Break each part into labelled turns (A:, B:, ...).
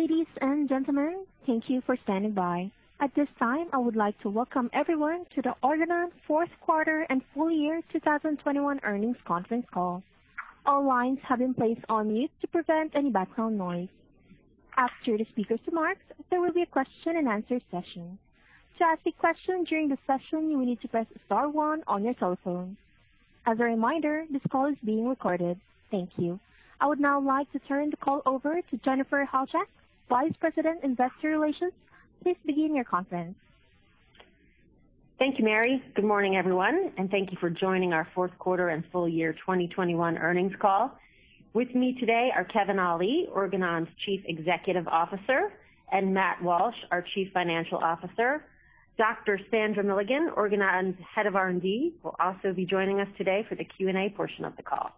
A: Ladies and gentlemen, thank you for standing by. At this time, I would like to welcome everyone to the Organon fourth quarter and full year 2021 earnings conference call. All lines have been placed on mute to prevent any background noise. After the speaker's remarks, there will be a question-and-answer session. To ask a question during the session, you will need to press star one on your telephone. As a reminder, this call is being recorded. Thank you. I would now like to turn the call over to Jennifer Halchak, Vice President, Investor Relations. Please begin your conference.
B: Thank you, Mary. Good morning, everyone, and thank you for joining our fourth quarter and full year 2021 earnings call. With me today are Kevin Ali, Organon's Chief Executive Officer, and Matt Walsh, our Chief Financial Officer. Dr. Sandra Milligan, Organon's Head of R&D, will also be joining us today for the Q&A portion of the call.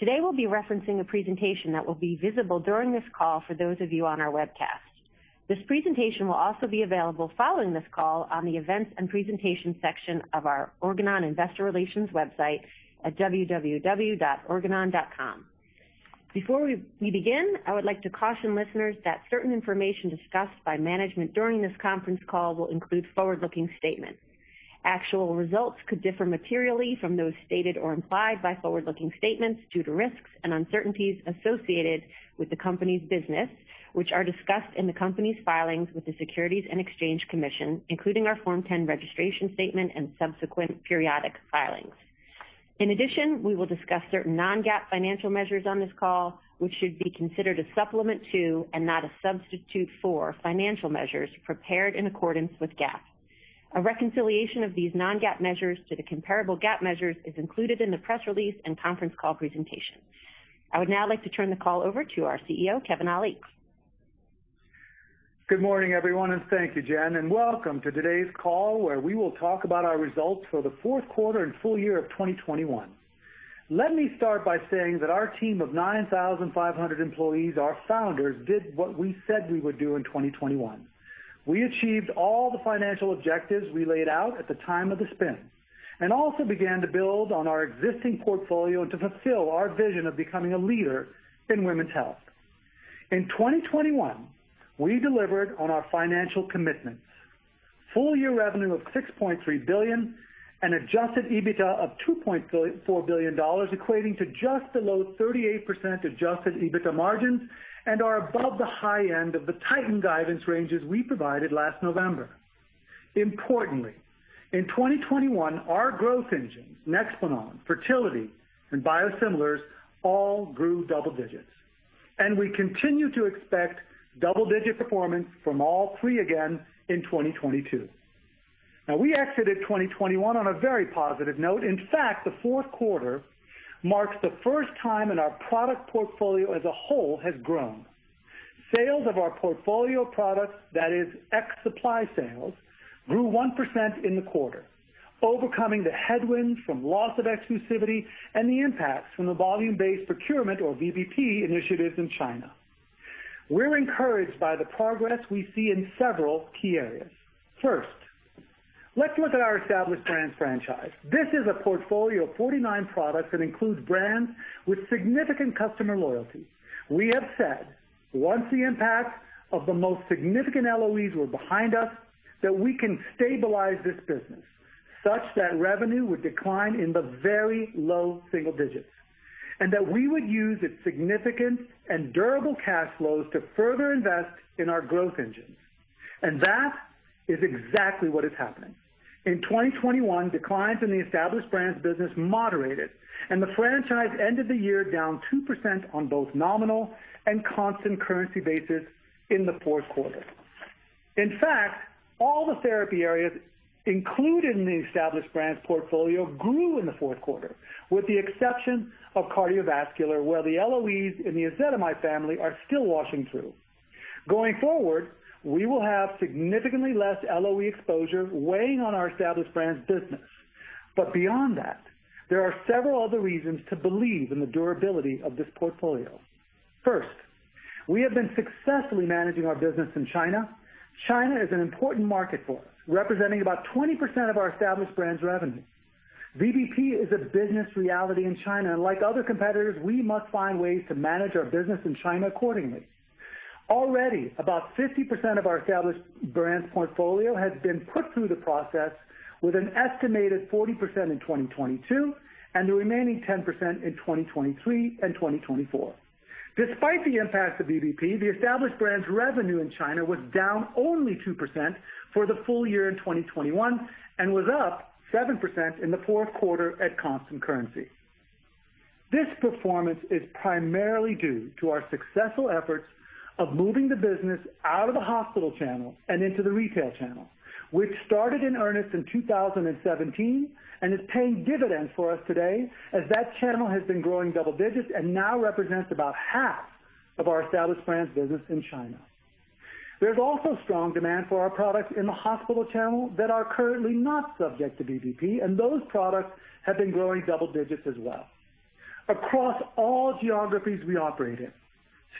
B: Today, we'll be referencing a presentation that will be visible during this call for those of you on our webcast. This presentation will also be available following this call on the Events and Presentation section of our Organon Investor Relations website at organon.com. Before we begin, I would like to caution listeners that certain information discussed by management during this conference call will include forward-looking statements. Actual results could differ materially from those stated or implied by forward-looking statements due to risks and uncertainties associated with the company's business, which are discussed in the company's filings with the Securities and Exchange Commission, including our Form 10 registration statement and subsequent periodic filings. In addition, we will discuss certain non-GAAP financial measures on this call, which should be considered a supplement to and not a substitute for financial measures prepared in accordance with GAAP. A reconciliation of these non-GAAP measures to the comparable GAAP measures is included in the press release and conference call presentation. I would now like to turn the call over to our CEO, Kevin Ali.
C: Good morning everyone and thank you Jen, and welcome to today's call, where we will talk about our results for the fourth quarter and full year of 2021. Let me start by saying that our team of 9,500 employees, our founders, did what we said we would do in 2021. We achieved all the financial objectives we laid out at the time of the spin and also began to build on our existing portfolio to fulfill our vision of becoming a leader in women's health. In 2021, we delivered on our financial commitments. Full-year revenue of $6.3 billion and adjusted EBITDA of $2.4 billion, equating to just below 38% adjusted EBITDA margins and are above the high end of the tightened guidance ranges we provided last November. Importantly, in 2021, our growth engines, NEXPLANON®, fertility, and biosimilars all grew double digits, and we continue to expect double-digit performance from all three again in 2022. Now, we exited 2021 on a very positive note. In fact, the fourth quarter marks the first time in our product portfolio as a whole has grown. Sales of our portfolio products, that is ex supply sales, grew 1% in the quarter, overcoming the headwinds from loss of exclusivity and the impacts from the volume-based procurement, or VBP, initiatives in China. We're encouraged by the progress we see in several key areas. First, let's look at our Established Brands franchise. This is a portfolio of 49 products that includes brands with significant customer loyalty. We have said once the impact of the most significant LOEs were behind us, that we can stabilize this business such that revenue would decline in the very low single digits and that we would use its significant and durable cash flows to further invest in our growth engines. That is exactly what is happening. In 2021, declines in the Established Brands business moderated, and the franchise ended the year down 2% on both nominal and constant currency basis in the fourth quarter. In fact, all the therapy areas included in the Established Brands portfolio grew in the fourth quarter, with the exception of cardiovascular, where the LOEs in the ezetimibe family are still washing through. Going forward, we will have significantly less LOE exposure weighing on our Established Brands business. Beyond that, there are several other reasons to believe in the durability of this portfolio. First, we have been successfully managing our business in China. China is an important market for us, representing about 20% of our Established Brands revenue. VBP is a business reality in China, and like other competitors, we must find ways to manage our business in China accordingly. Already, about 50% of our Established Brands portfolio has been put through the process with an estimated 40% in 2022 and the remaining 10% in 2023 and 2024. Despite the impact of VBP, the Established Brands revenue in China was down only 2% for the full year in 2021 and was up 7% in the fourth quarter at constant currency. This performance is primarily due to our successful efforts of moving the business out of the hospital channel and into the retail channel, which started in earnest in 2017 and is paying dividends for us today as that channel has been growing double digits and now represents about half of our Established Brands business in China. There's also strong demand for our products in the hospital channel that are currently not subject to VBP, and those products have been growing double digits as well. Across all geographies we operate in,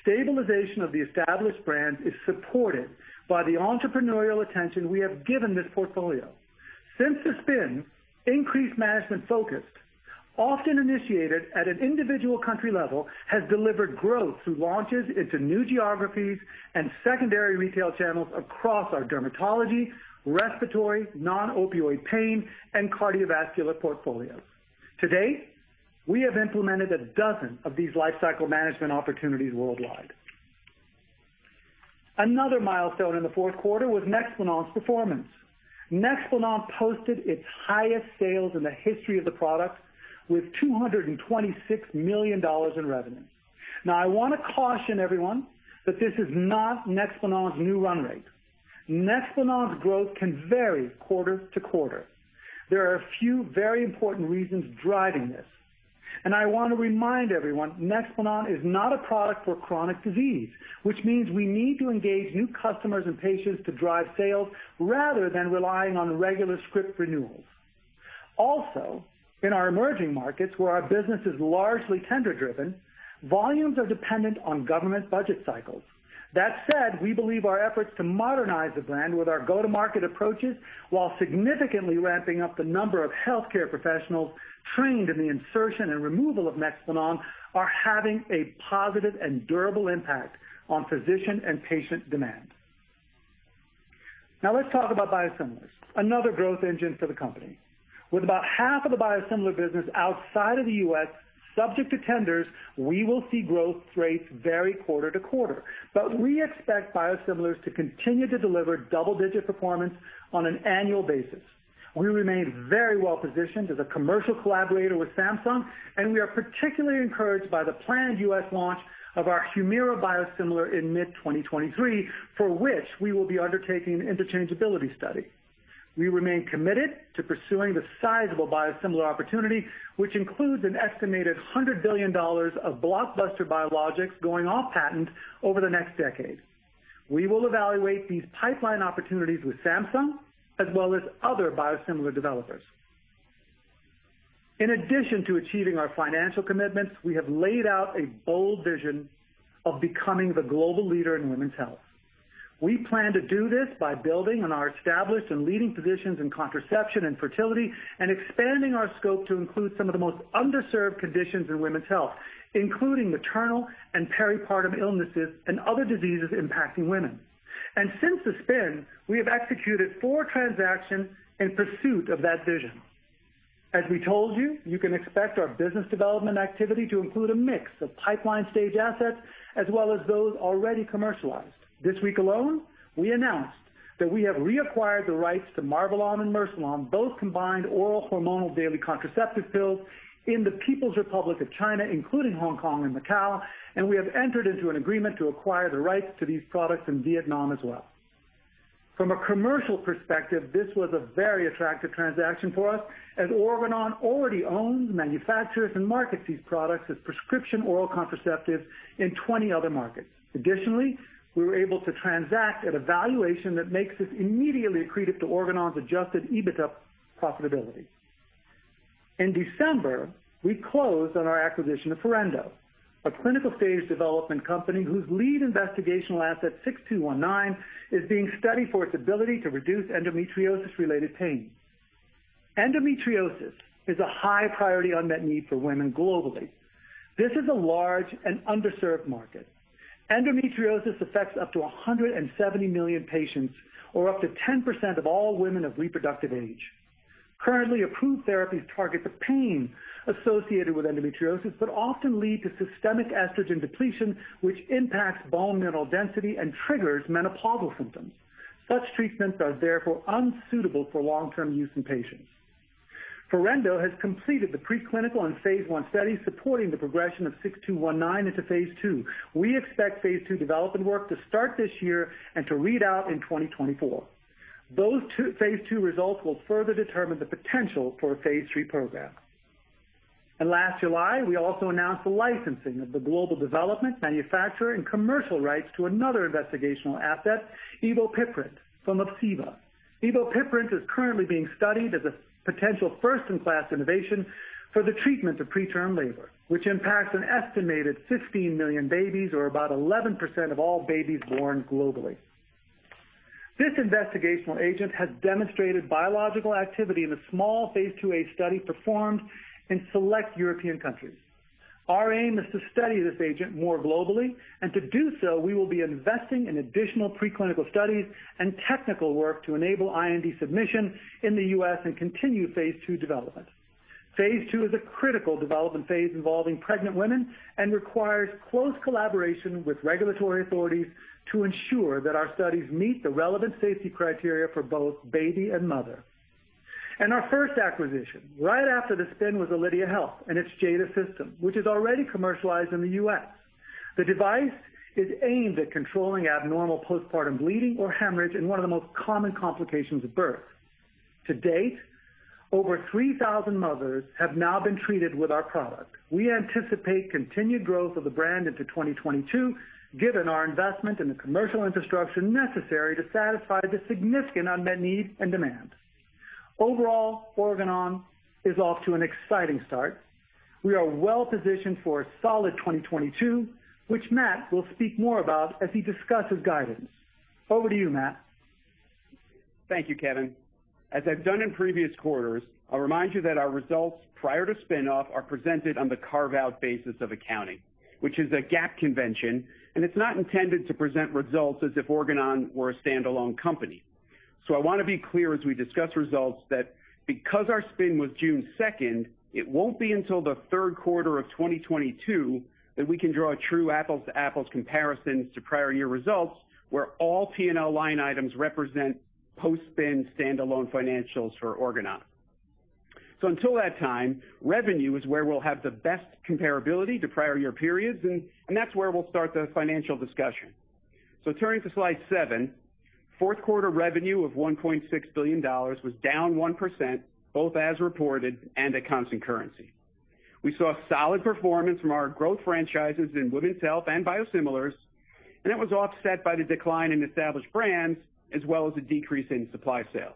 C: stabilization of the Established Brands is supported by the entrepreneurial attention we have given this portfolio. Since the spin, increased management focus, often initiated at an individual country level, has delivered growth through launches into new geographies and secondary retail channels across our dermatology, respiratory, non-opioid pain, and cardiovascular portfolio. To date, we have implemented a dozen of these lifecycle management opportunities worldwide. Another milestone in the fourth quarter was NEXPLANON®'s performance. NEXPLANON® posted its highest sales in the history of the product with $226 million in revenue. Now, I wanna caution everyone that this is not NEXPLANON®'s new run rate. NEXPLANON®'s growth can vary quarter-to-quarter. There are a few very important reasons driving this. I wanna remind everyone, NEXPLANON® is not a product for chronic disease, which means we need to engage new customers and patients to drive sales rather than relying on regular script renewals. Also, in our emerging markets, where our business is largely tender-driven, volumes are dependent on government budget cycles. That said, we believe our efforts to modernize the brand with our go-to-market approaches, while significantly ramping up the number of healthcare professionals trained in the insertion and removal of NEXPLANON®, are having a positive and durable impact on physician and patient demand. Now let's talk about biosimilars, another growth engine for the company. With about half of the biosimilar business outside of the U.S. subject to tenders, we will see growth rates vary quarter-to-quarter. We expect biosimilars to continue to deliver double-digit performance on an annual basis. We remain very well positioned as a commercial collaborator with Samsung, and we are particularly encouraged by the planned U.S. launch of our Humira biosimilar in mid-2023, for which we will be undertaking an interchangeability study. We remain committed to pursuing the sizable biosimilar opportunity, which includes an estimated $100 billion of blockbuster biologics going off patent over the next decade. We will evaluate these pipeline opportunities with Samsung as well as other biosimilar developers. In addition to achieving our financial commitments, we have laid out a bold vision of becoming the global leader in women's health. We plan to do this by building on our established and leading positions in contraception and fertility, and expanding our scope to include some of the most underserved conditions in women's health, including maternal and peripartum illnesses and other diseases impacting women. Since the spin, we have executed 4 transactions in pursuit of that vision. As we told you can expect our business development activity to include a mix of pipeline-stage assets as well as those already commercialized. This week alone, we announced that we have reacquired the rights to MARVELON® and MERCILON®, both combined oral hormonal daily contraceptive pills in the People's Republic of China, including Hong Kong and Macau, and we have entered into an agreement to acquire the rights to these products in Vietnam as well. From a commercial perspective, this was a very attractive transaction for us, as Organon already owns, manufactures, and markets these products as prescription oral contraceptives in 20 other markets. Additionally, we were able to transact at a valuation that makes this immediately accretive to Organon's adjusted EBITDA profitability. In December, we closed on our acquisition of Forendo, a clinical-stage development company whose lead investigational asset, OG-6219, is being studied for its ability to reduce endometriosis-related pain. Endometriosis is a high-priority unmet need for women globally. This is a large and underserved market. Endometriosis affects up to 170 million patients, or up to 10% of all women of reproductive age. Currently approved therapies target the pain associated with endometriosis, but often lead to systemic estrogen depletion, which impacts bone mineral density and triggers menopausal symptoms. Such treatments are therefore unsuitable for long-term use in patients. Forendo has completed the preclinical and phase I study supporting the progression of OG-6219 into phase II. We expect phase II development work to start this year and to read out in 2024. Phase II results will further determine the potential for a phase III program. Last July, we also announced the licensing of the global development, manufacture, and commercial rights to another investigational asset, ebopiprant, from ObsEva. Ebopiprant is currently being studied as a potential first-in-class innovation for the treatment of preterm labor, which impacts an estimated 15 million babies, or about 11% of all babies born globally. This investigational agent has demonstrated biological activity in a small phase II a study performed in select European countries. Our aim is to study this agent more globally, and to do so, we will be investing in additional preclinical studies and technical work to enable IND submission in the U.S. and continue phase II development. Phase II is a critical development phase involving pregnant women and requires close collaboration with regulatory authorities to ensure that our studies meet the relevant safety criteria for both baby and mother. Our first acquisition right after the spin was Alydia Health and its Jada system, which is already commercialized in the U.S. The device is aimed at controlling abnormal postpartum bleeding or hemorrhage in one of the most common complications of birth. To date, over 3,000 mothers have now been treated with our product. We anticipate continued growth of the brand into 2022, given our investment in the commercial infrastructure necessary to satisfy the significant unmet need and demand. Overall, Organon is off to an exciting start. We are well positioned for a solid 2022, which Matt will speak more about as he discusses guidance. Over to you, Matt.
D: Thank you, Kevin. As I've done in previous quarters, I'll remind you that our results prior to spin-off are presented on the carve-out basis of accounting, which is a GAAP convention, and it's not intended to present results as if Organon were a standalone company. I wanna be clear as we discuss results that because our spin was June 2nd, it won't be until the third quarter of 2022 that we can draw a true apples to apples comparisons to prior year results, where all P&L line items represent post-spin standalone financials for Organon. Until that time, revenue is where we'll have the best comparability to prior year periods, and that's where we'll start the financial discussion. Turning to slide 7, fourth quarter revenue of $1.6 billion was down 1%, both as reported and at constant currency. We saw solid performance from our growth franchises in women's health and biosimilars, and it was offset by the decline in Established Brands as well as a decrease in supply sales.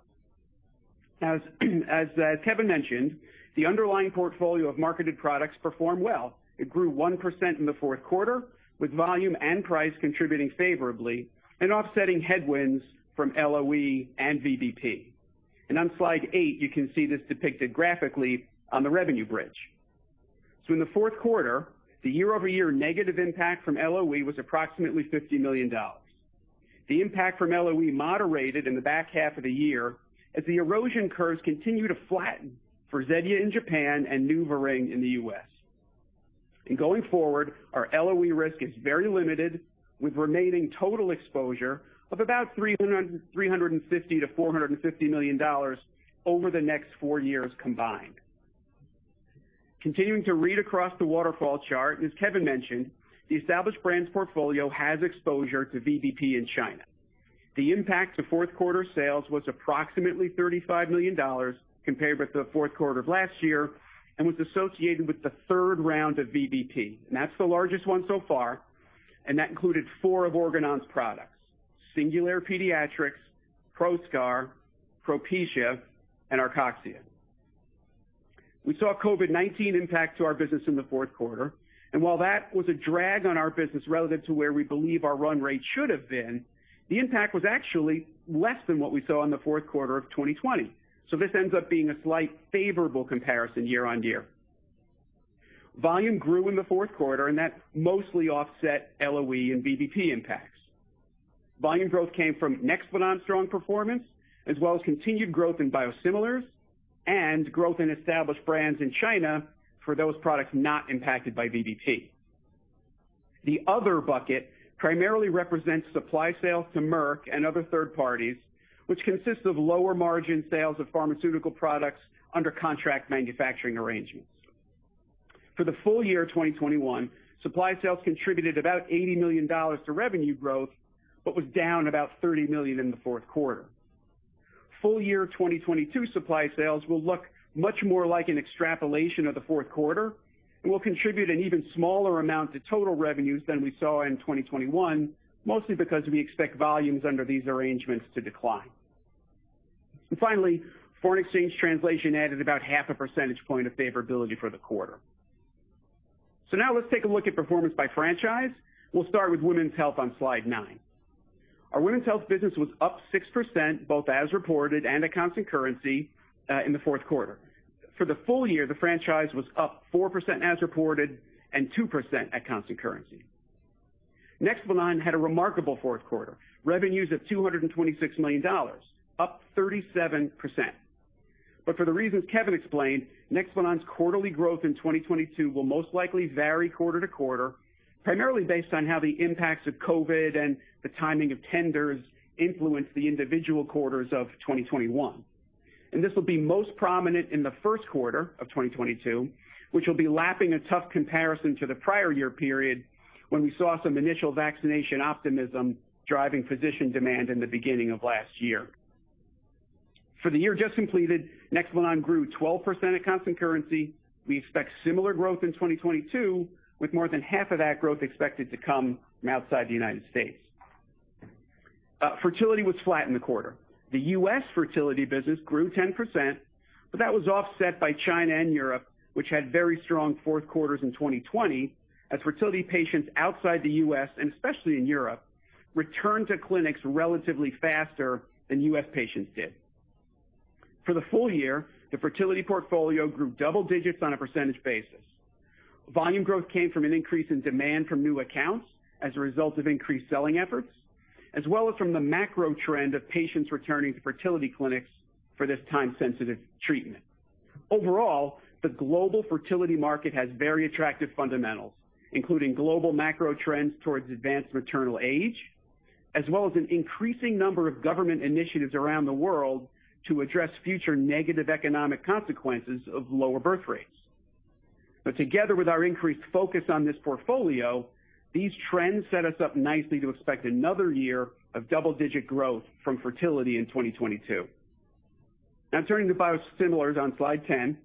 D: As Kevin mentioned, the underlying portfolio of marketed products performed well. It grew 1% in the fourth quarter, with volume and price contributing favorably and offsetting headwinds from LOE and VBP. On slide 8, you can see this depicted graphically on the revenue bridge. In the fourth quarter, the year-over-year negative impact from LOE was approximately $50 million. The impact from LOE moderated in the back half of the year as the erosion curves continue to flatten for Zetia® in Japan and NuvaRing® in the U.S.. Going forward, our LOE risk is very limited, with remaining total exposure of about $300 million, $350 million-$450 million over the next four years combined. Continuing to read across the waterfall chart, and as Kevin mentioned, the established brands portfolio has exposure to VBP in China. The impact to fourth quarter sales was approximately $35 million compared with the fourth quarter of last year, and was associated with the third round of VBP. That's the largest one so far, and that included four of Organon's products: Singulair® Pediatric, Proscar®, Propecia®, and Arcoxia®. We saw COVID-19 impact to our business in the fourth quarter, and while that was a drag on our business relative to where we believe our run rate should have been, the impact was actually less than what we saw in the fourth quarter of 2020. This ends up being a slight favorable comparison year-on-year. Volume grew in the fourth quarter, and that mostly offset LOE and VBP impacts. Volume growth came from NEXPLANON®'s strong performance, as well as continued growth in biosimilars and growth in Established Brands in China for those products not impacted by VBP. The other bucket primarily represents supply sales to Merck and other third parties, which consists of lower margin sales of pharmaceutical products under contract manufacturing arrangements. For the full year of 2021, supply sales contributed about $80 million to revenue growth, but was down about $30 million in the fourth quarter. Full year 2022 supply sales will look much more like an extrapolation of the fourth quarter and will contribute an even smaller amount to total revenues than we saw in 2021, mostly because we expect volumes under these arrangements to decline. Finally, foreign exchange translation added about half a percentage point of favorability for the quarter. Now let's take a look at performance by franchise. We'll start with Women's Health on slide 9. Our Women's Health business was up 6%, both as reported and at constant currency, in the fourth quarter. For the full year, the franchise was up 4% as reported and 2% at constant currency. NEXPLANON® had a remarkable fourth quarter, revenues of $226 million, up 37%. For the reasons Kevin explained, NEXPLANON®'s quarterly growth in 2022 will most likely vary quarter-to-quarter, primarily based on how the impacts of COVID and the timing of tenders influence the individual quarters of 2021. This will be most prominent in the first quarter of 2022, which will be lapping a tough comparison to the prior year period when we saw some initial vaccination optimism driving physician demand in the beginning of last year. For the year just completed, NEXPLANON® grew 12% at constant currency. We expect similar growth in 2022, with more than half of that growth expected to come from outside the United States. Fertility was flat in the quarter. The U.S. fertility business grew 10%, but that was offset by China and Europe, which had very strong fourth quarters in 2020 as fertility patients outside the U.S., and especially in Europe, returned to clinics relatively faster than U.S. patients did. For the full year, the fertility portfolio grew double digits on a percentage basis. Volume growth came from an increase in demand from new accounts as a result of increased selling efforts, as well as from the macro trend of patients returning to fertility clinics for this time-sensitive treatment. Overall, the global fertility market has very attractive fundamentals, including global macro trends towards advanced maternal age, as well as an increasing number of government initiatives around the world to address future negative economic consequences of lower birth rates. Together with our increased focus on this portfolio, these trends set us up nicely to expect another year of double-digit growth from fertility in 2022. Now turning to biosimilars on slide 10.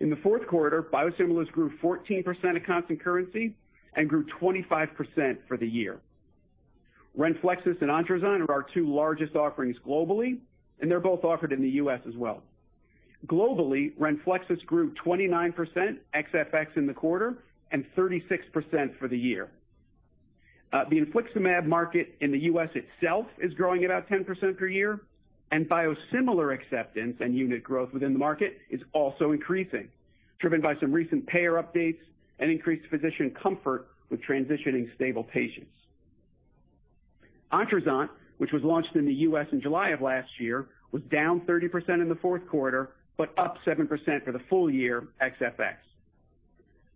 D: In the fourth quarter, biosimilars grew 14% at constant currency and grew 25% for the year. Renflexis® and Ontruzant® are our two largest offerings globally, and they're both offered in the U.S. as well. Globally, Renflexis® grew 29% ex-FX in the quarter and 36% for the year. The infliximab market in the U.S. itself is growing about 10% per year, and biosimilar acceptance and unit growth within the market is also increasing, driven by some recent payer updates and increased physician comfort with transitioning stable patients. Ontruzant®, which was launched in the U.S. in July of last year, was down 30% in the fourth quarter, but up 7% for the full year ex-FX.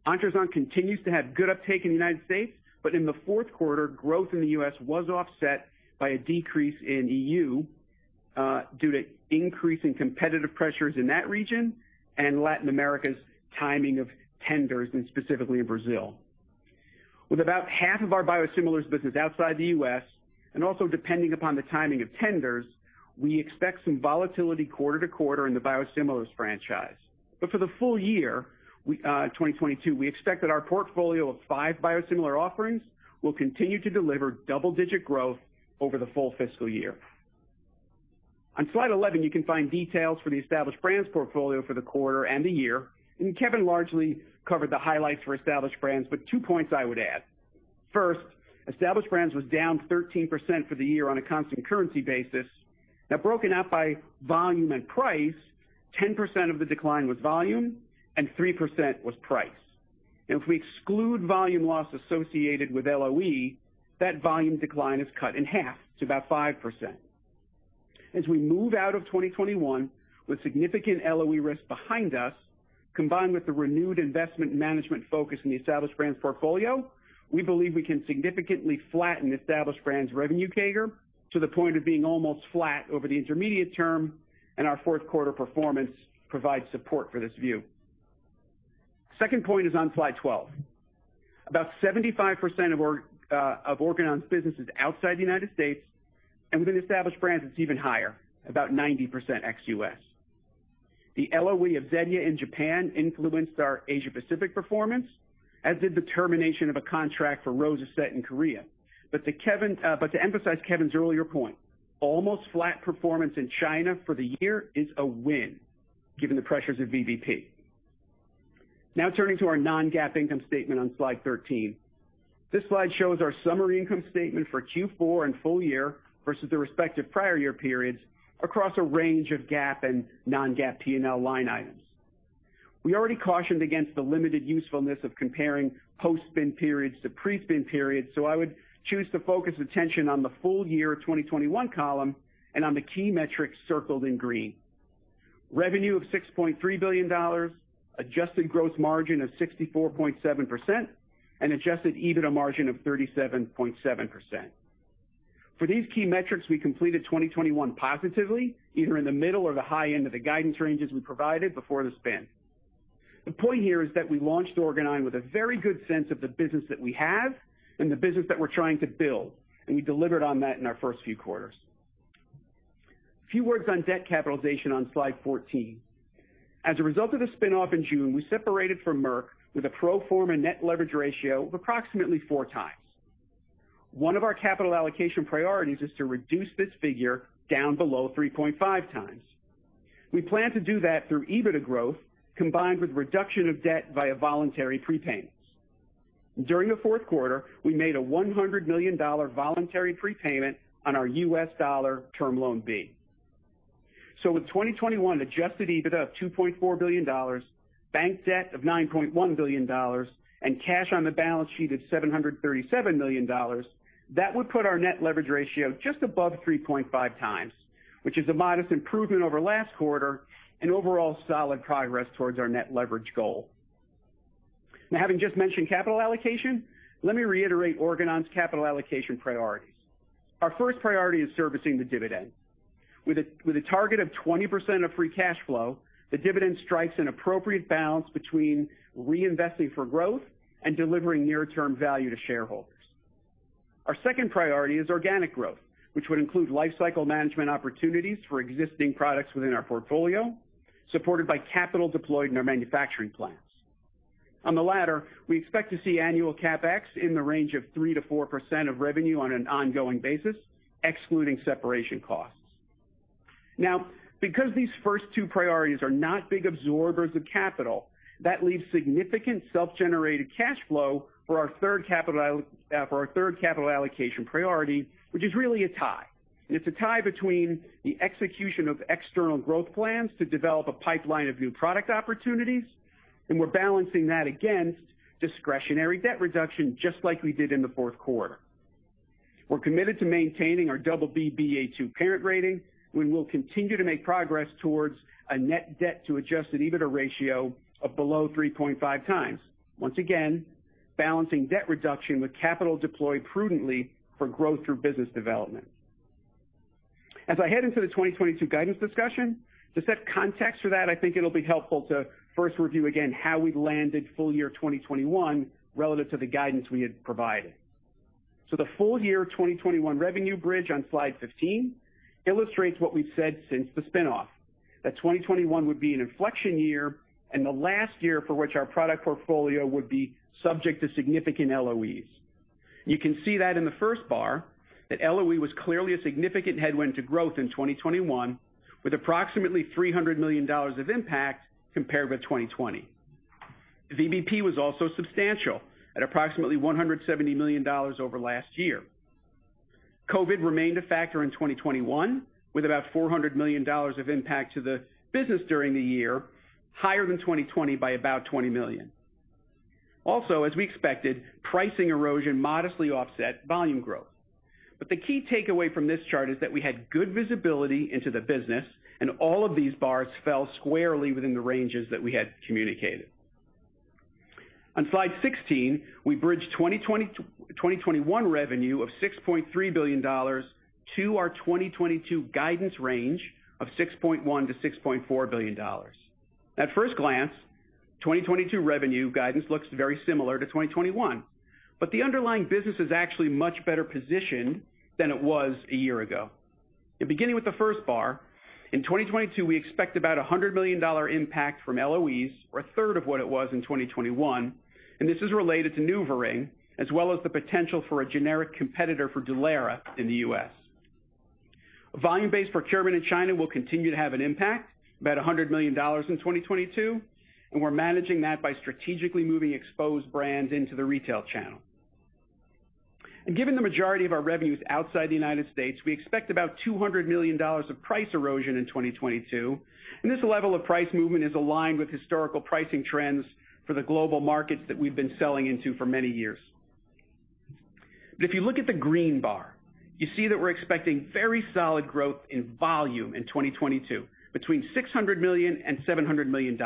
D: Ontruzant® continues to have good uptake in the United States, but in the fourth quarter, growth in the U.S. was offset by a decrease in EU due to increasing competitive pressures in that region and Latin America's timing of tenders, and specifically in Brazil. With about half of our biosimilars business outside the U.S., and also depending upon the timing of tenders, we expect some volatility quarter-to- quarter in the biosimilars franchise. For the full year, we, 2022, we expect that our portfolio of five biosimilar offerings will continue to deliver double-digit growth over the full fiscal year. On slide 11, you can find details for the Established Brands portfolio for the quarter and the year, and Kevin largely covered the highlights for Established Brands with two points I would add. First, Established Brands was down 13% for the year on a constant currency basis. Now, broken out by volume and price, 10% of the decline was volume and 3% was price. If we exclude volume loss associated with LOE, that volume decline is cut in half to about 5%. As we move out of 2021 with significant LOE risk behind us, combined with the renewed investment management focus in the Established Brands portfolio, we believe we can significantly flatten Established Brands revenue CAGR to the point of being almost flat over the intermediate term, and our fourth quarter performance provides support for this view. Second point is on slide 12. About 75% of our of Organon's business is outside the U.S., and within Established Brands it's even higher, about 90% ex-U.S. The LOE of Zetia® in Japan influenced our Asia Pacific performance, as did the termination of a contract for Rosuzet® in Korea. But to emphasize Kevin's earlier point, almost flat performance in China for the year is a win given the pressures of VBP. Now turning to our non-GAAP income statement on slide 13. This slide shows our summary income statement for Q4 and full year versus the respective prior year periods across a range of GAAP and non-GAAP P&L line items. We already cautioned against the limited usefulness of comparing post-spin periods to pre-spin periods, so I would choose to focus attention on the full year 2021 column and on the key metrics circled in green. Revenue of $6.3 billion, adjusted gross margin of 64.7%, and adjusted EBITDA margin of 37.7%. For these key metrics, we completed 2021 positively, either in the middle or the high end of the guidance ranges we provided before the spin. The point here is that we launched Organon with a very good sense of the business that we have and the business that we're trying to build, and we delivered on that in our first few quarters. A few words on debt capitalization on slide 14. As a result of the spin-off in June, we separated from Merck with a pro forma net leverage ratio of approximately 4x. One of our capital allocation priorities is to reduce this figure down below 3.5x. We plan to do that through EBITDA growth combined with reduction of debt via voluntary prepayments. During the fourth quarter, we made a $100 million voluntary prepayment on our U.S. dollar term loan B. With 2021 adjusted EBITDA of $2.4 billion, bank debt of $9.1 billion, and cash on the balance sheet of $737 million, that would put our net leverage ratio just above 3.5x, which is a modest improvement over last quarter and overall solid progress towards our net leverage goal. Now having just mentioned capital allocation, let me reiterate Organon's capital allocation priorities. Our first priority is servicing the dividend. With a target of 20% of free cash flow, the dividend strikes an appropriate balance between reinvesting for growth and delivering near-term value to shareholders. Our second priority is organic growth, which would include lifecycle management opportunities for existing products within our portfolio, supported by capital deployed in our manufacturing plants. On the latter, we expect to see annual CapEx in the range of 3%-4% of revenue on an ongoing basis, excluding separation costs. Now, because these first two priorities are not big absorbers of capital, that leaves significant self-generated cash flow for our third capital allocation priority, which is really a tie. It's a tie between the execution of external growth plans to develop a pipeline of new product opportunities, and we're balancing that against discretionary debt reduction, just like we did in the fourth quarter. We're committed to maintaining our BB/Ba2 parent rating, and we will continue to make progress towards a net debt to adjusted EBITDA ratio of below 3.5x. Once again, balancing debt reduction with capital deployed prudently for growth through business development. As I head into the 2022 guidance discussion, to set context for that, I think it'll be helpful to first review again how we landed full year 2021 relative to the guidance we had provided. The full year 2021 revenue bridge on slide 15 illustrates what we've said since the spin-off, that 2021 would be an inflection year and the last year for which our product portfolio would be subject to significant LOEs. You can see that in the first bar that LOE was clearly a significant headwind to growth in 2021, with approximately $300 million of impact compared with 2020. VBP was also substantial at approximately $170 million over last year. COVID remained a factor in 2021, with about $400 million of impact to the business during the year, higher than 2020 by about $20 million. Also, as we expected, pricing erosion modestly offset volume growth. The key takeaway from this chart is that we had good visibility into the business and all of these bars fell squarely within the ranges that we had communicated. On slide 16, we bridge 2020, 2021 revenue of $6.3 billion to our 2022 guidance range of $6.1 billion-$6.4 billion. At first glance, 2022 revenue guidance looks very similar to 2021, but the underlying business is actually much better positioned than it was a year ago. Beginning with the first bar, in 2022, we expect about $100 million impact from LOEs or a third of what it was in 2021. This is related to NuvaRing® as well as the potential for a generic competitor for Dulera® in the U.S. Volume-based procurement in China will continue to have an impact, about $100 million in 2022, and we're managing that by strategically moving exposed brands into the retail channel. Given the majority of our revenues outside the United States, we expect about $200 million of price erosion in 2022. This level of price movement is aligned with historical pricing trends for the global markets that we've been selling into for many years. If you look at the green bar, you see that we're expecting very solid growth in volume in 2022, between $600 million and $700 million.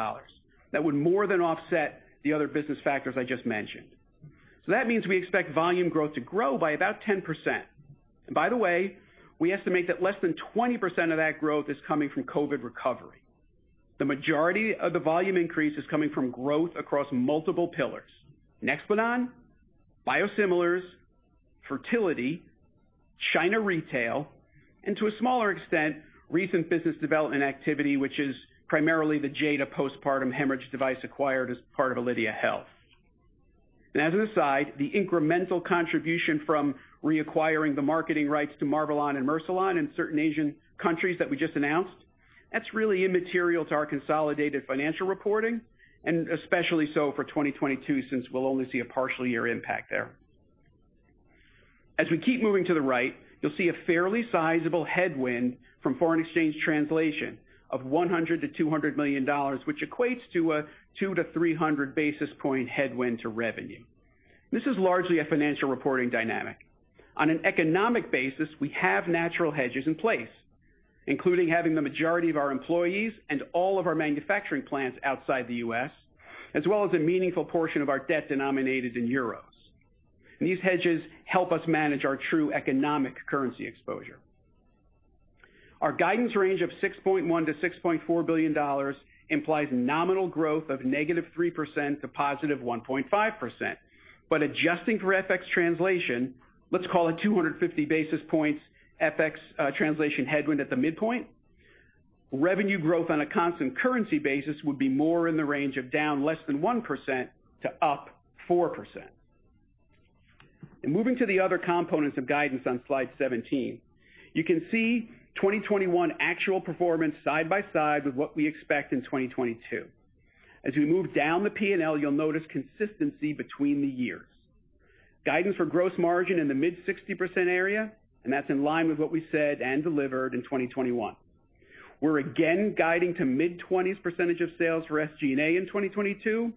D: That would more than offset the other business factors I just mentioned. That means we expect volume growth to grow by about 10%. By the way, we estimate that less than 20% of that growth is coming from COVID recovery. The majority of the volume increase is coming from growth across multiple pillars. NEXPLANON®, biosimilars, fertility, China retail, and to a smaller extent, recent business development activity, which is primarily the Jada postpartum hemorrhage device acquired as part of Alydia Health. As an aside, the incremental contribution from reacquiring the marketing rights to MARVELON® and MERCILON® in certain Asian countries that we just announced, that's really immaterial to our consolidated financial reporting, and especially so for 2022, since we'll only see a partial year impact there. As we keep moving to the right, you'll see a fairly sizable headwind from foreign exchange translation of $100 million-$200 million, which equates to a 200-300 basis point headwind to revenue. This is largely a financial reporting dynamic. On an economic basis, we have natural hedges in place, including having the majority of our employees and all of our manufacturing plants outside the U.S., as well as a meaningful portion of our debt denominated in euros. These hedges help us manage our true economic currency exposure. Our guidance range of $6.1 billion-$6.4 billion implies nominal growth of -3% to +1.5%. Adjusting for FX translation, let's call it 250 basis points FX translation headwind at the midpoint. Revenue growth on a constant currency basis would be more in the range of down less than 1% to up 4%. Moving to the other components of guidance on slide 17. You can see 2021 actual performance side by side with what we expect in 2022. As we move down the P&L, you'll notice consistency between the years. Guidance for gross margin in the mid-60% area, and that's in line with what we said and delivered in 2021. We're again guiding to mid-20s% of sales for SG&A in 2022,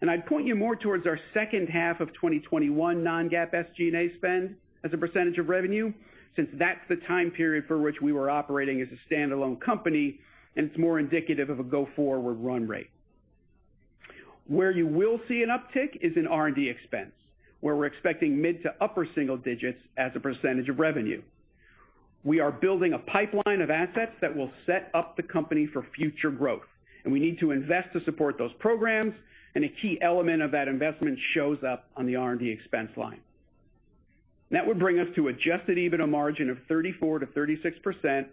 D: and I'd point you more towards our second half of 2021 non-GAAP SG&A spend as a percentage of revenue, since that's the time period for which we were operating as a standalone company, and it's more indicative of a go-forward run rate. Where you will see an uptick is in R&D expense, where we're expecting mid- to upper-single digits as a percentage of revenue. We are building a pipeline of assets that will set up the company for future growth, and we need to invest to support those programs. A key element of that investment shows up on the R&D expense line. That would bring us to adjusted EBITDA margin of 34%-36%.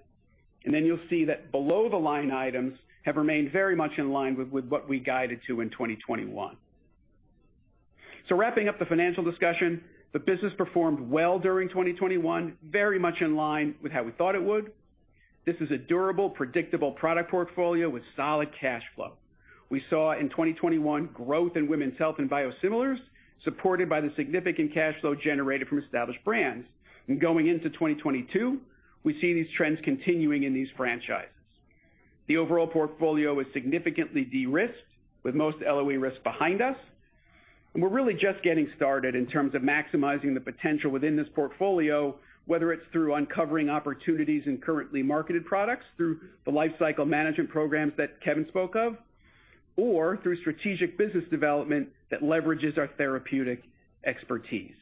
D: Then you'll see that below the line items have remained very much in line with what we guided to in 2021. Wrapping up the financial discussion, the business performed well during 2021, very much in line with how we thought it would. This is a durable, predictable product portfolio with solid cash flow. We saw in 2021 growth in Women's Health and Biosimilars, supported by the significant cash flow generated from Established Brands. Going into 2022, we see these trends continuing in these franchises. The overall portfolio is significantly de-risked with most LOE risk behind us. We're really just getting started in terms of maximizing the potential within this portfolio, whether it's through uncovering opportunities in currently marketed products through the lifecycle management programs that Kevin spoke of, or through strategic business development that leverages our therapeutic expertise.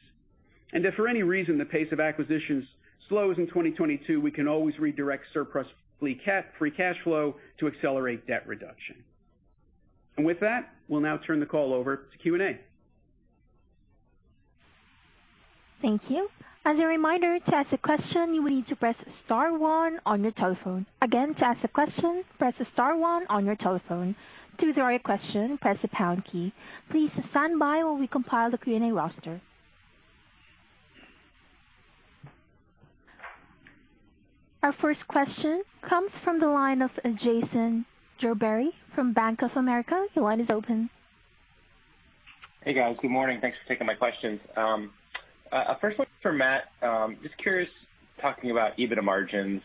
D: If for any reason the pace of acquisitions slows in 2022, we can always redirect surplus free cash flow to accelerate debt reduction. With that, we'll now turn the call over to Q&A.
A: Thank you. As a reminder, to ask a question, you will need to press star one on your telephone. Again, to ask a question, press star one on your telephone. To withdraw your question, press the pound key. Please stand by while we compile the Q&A roster. Our first question comes from the line of Jason Gerberry from Bank of America. Your line is open.
E: Hey, guys. Good morning. Thanks for taking my questions. First one for Matt. Just curious, talking about EBITDA margins.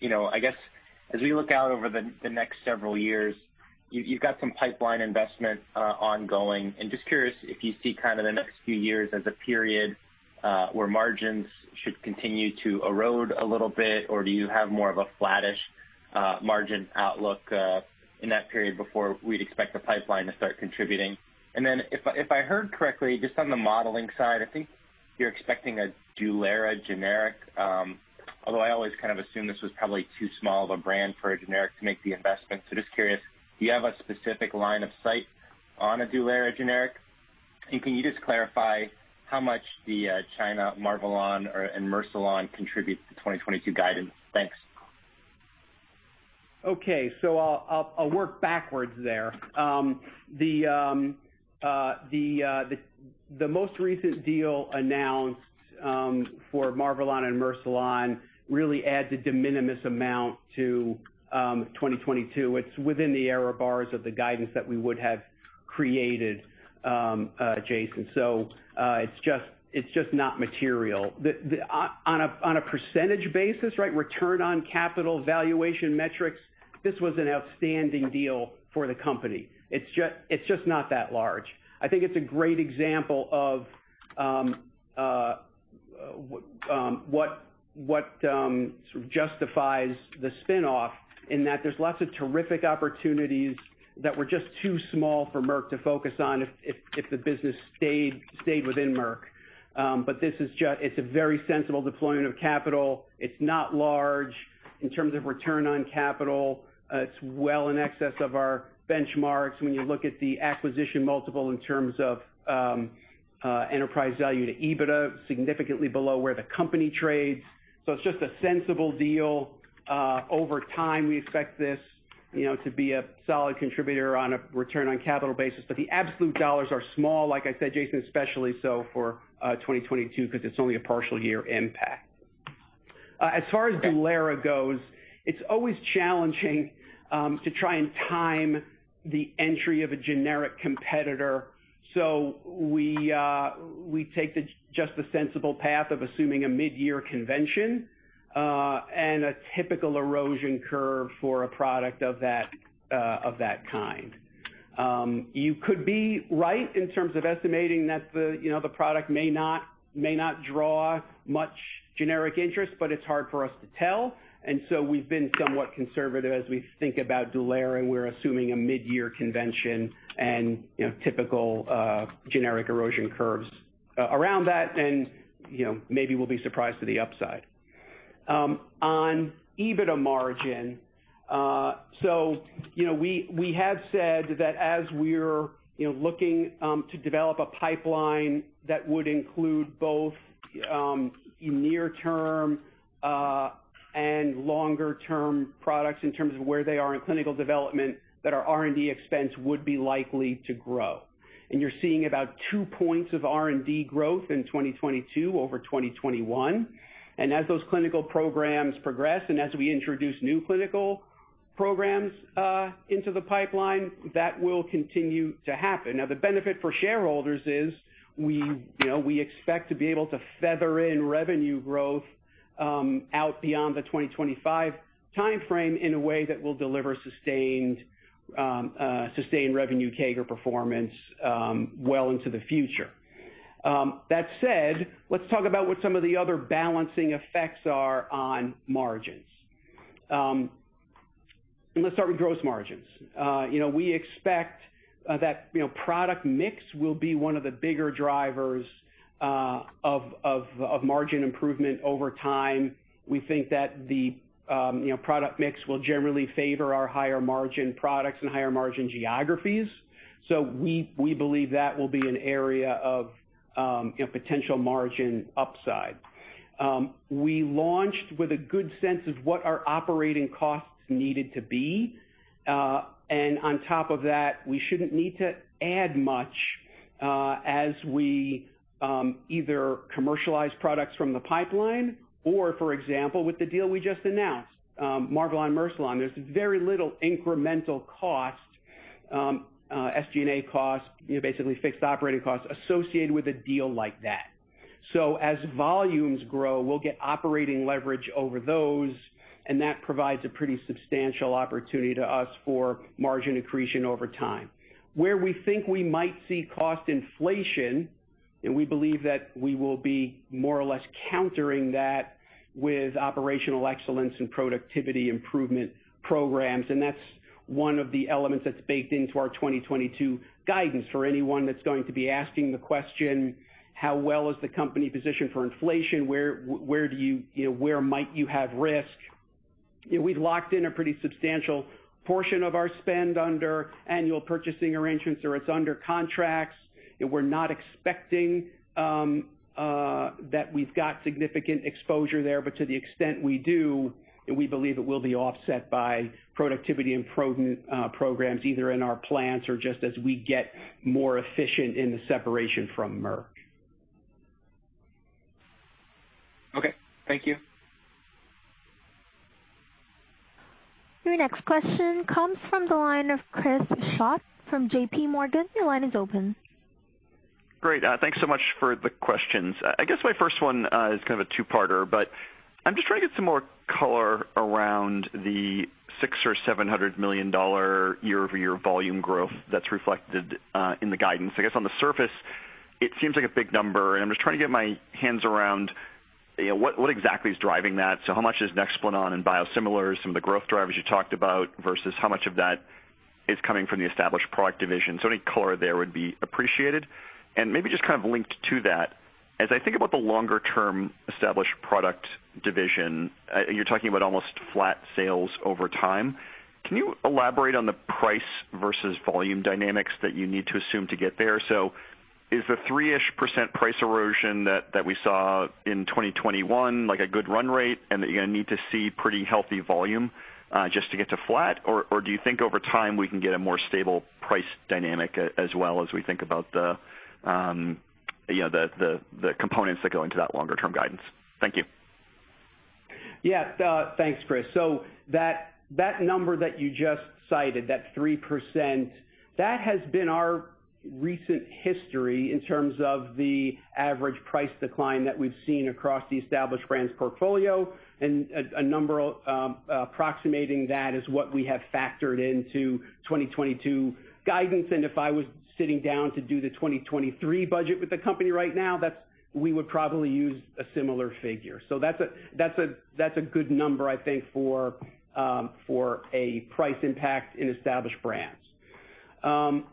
E: You know, I guess as we look out over the next several years, you've got some pipeline investment ongoing. Just curious if you see kind of the next few years as a period where margins should continue to erode a little bit, or do you have more of a flattish margin outlook in that period before we'd expect the pipeline to start contributing? Then if I heard correctly, just on the modeling side, I think you're expecting a Dulera® generic, although I always kind of assumed this was probably too small of a brand for a generic to make the investment. So just curious, do you have a specific line of sight on a Dulera® generic? Can you just clarify how much the China MARVELON® and MERCILON® contribute to 2022 guidance? Thanks.
D: I'll work backwards there. The most recent deal announced for MARVELON® and MERCILON® really adds a de minimis amount to 2022. It's within the error bars of the guidance that we would have created, Jason. It's just not material. On a percentage basis, right, return on capital valuation metrics, this was an outstanding deal for the company. It's just not that large. I think it's a great example of what sort of justifies the spin off in that there's lots of terrific opportunities that were just too small for Merck to focus on if the business stayed within Merck. This is a very sensible deployment of capital. It's not large. In terms of return on capital, it's well in excess of our benchmarks. When you look at the acquisition multiple in terms of enterprise value to EBITDA, significantly below where the company trades. It's just a sensible deal. Over time, we expect this, you know, to be a solid contributor on a return on capital basis, but the absolute dollars are small, like I said, Jason, especially so for 2022 because it's only a partial year impact. As far as Dulera® goes, it's always challenging to try and time the entry of a generic competitor. We take just the sensible path of assuming a mid-year convention and a typical erosion curve for a product of that kind. You could be right in terms of estimating that the, you know, the product may not draw much generic interest, but it's hard for us to tell. We've been somewhat conservative as we think about Dulera®, and we're assuming a mid-year convention and, you know, typical generic erosion curves around that. You know, maybe we'll be surprised to the upside. On EBITDA margin, you know, we have said that as we're, you know, looking to develop a pipeline that would include both near term and longer term products in terms of where they are in clinical development, that our R&D expense would be likely to grow. You're seeing about 2 points of R&D growth in 2022 over 2021. As those clinical programs progress and as we introduce new clinical programs into the pipeline, that will continue to happen. Now, the benefit for shareholders is we, you know, we expect to be able to feather in revenue growth out beyond the 2025 timeframe in a way that will deliver sustained revenue CAGR performance well into the future. That said, let's talk about what some of the other balancing effects are on margins. Let's start with gross margins. You know, we expect that you know, product mix will be one of the bigger drivers of margin improvement over time. We think that the you know, product mix will generally favor our higher margin products and higher margin geographies. We believe that will be an area of, you know, potential margin upside. We launched with a good sense of what our operating costs needed to be, and on top of that, we shouldn't need to add much, as we either commercialize products from the pipeline or, for example, with the deal we just announced, MARVELON®, MERCILON®, there's very little incremental cost, SG&A cost, you know, basically fixed operating costs associated with a deal like that. As volumes grow, we'll get operating leverage over those, and that provides a pretty substantial opportunity to us for margin accretion over time. Where we think we might see cost inflation, and we believe that we will be more or less countering that with operational excellence and productivity improvement programs. That's one of the elements that's baked into our 2022 guidance for anyone that's going to be asking the question, how well is the company positioned for inflation? Where do you know, where might you have risk? You know, we've locked in a pretty substantial portion of our spend under annual purchasing arrangements, or it's under contracts. We're not expecting that we've got significant exposure there, but to the extent we do, we believe it will be offset by productivity improvement programs either in our plants or just as we get more efficient in the separation from Merck.
E: Okay, thank you.
A: Your next question comes from the line of Chris Schott from JPMorgan. Your line is open.
F: Great. Thanks so much for the questions. I guess my first one is kind of a two-parter, but I'm just trying to get some more color around the $600-$700 million year-over-year volume growth that's reflected in the guidance. I guess on the surface, it seems like a big number, and I'm just trying to get my hands around, you know, what exactly is driving that. How much is NEXPLANON® and biosimilars, some of the growth drivers you talked about, versus how much of that is coming from the established product division. Any color there would be appreciated. Maybe just kind of linked to that, as I think about the longer term established product division, you're talking about almost flat sales over time. Can you elaborate on the price versus volume dynamics that you need to assume to get there? So is the 3-ish% price erosion that we saw in 2021 like a good run rate and that you're gonna need to see pretty healthy volume just to get to flat? Or do you think over time we can get a more stable price dynamic as well as we think about the you know the components that go into that longer term guidance? Thank you.
D: Yeah, thanks, Chris. That number that you just cited, that 3%, that has been our recent history in terms of the average price decline that we've seen across the Established Brands portfolio. A number approximating that is what we have factored into 2022 guidance. If I was sitting down to do the 2023 budget with the company right now, we would probably use a similar figure. That's a good number, I think, for a price impact in Established Brands.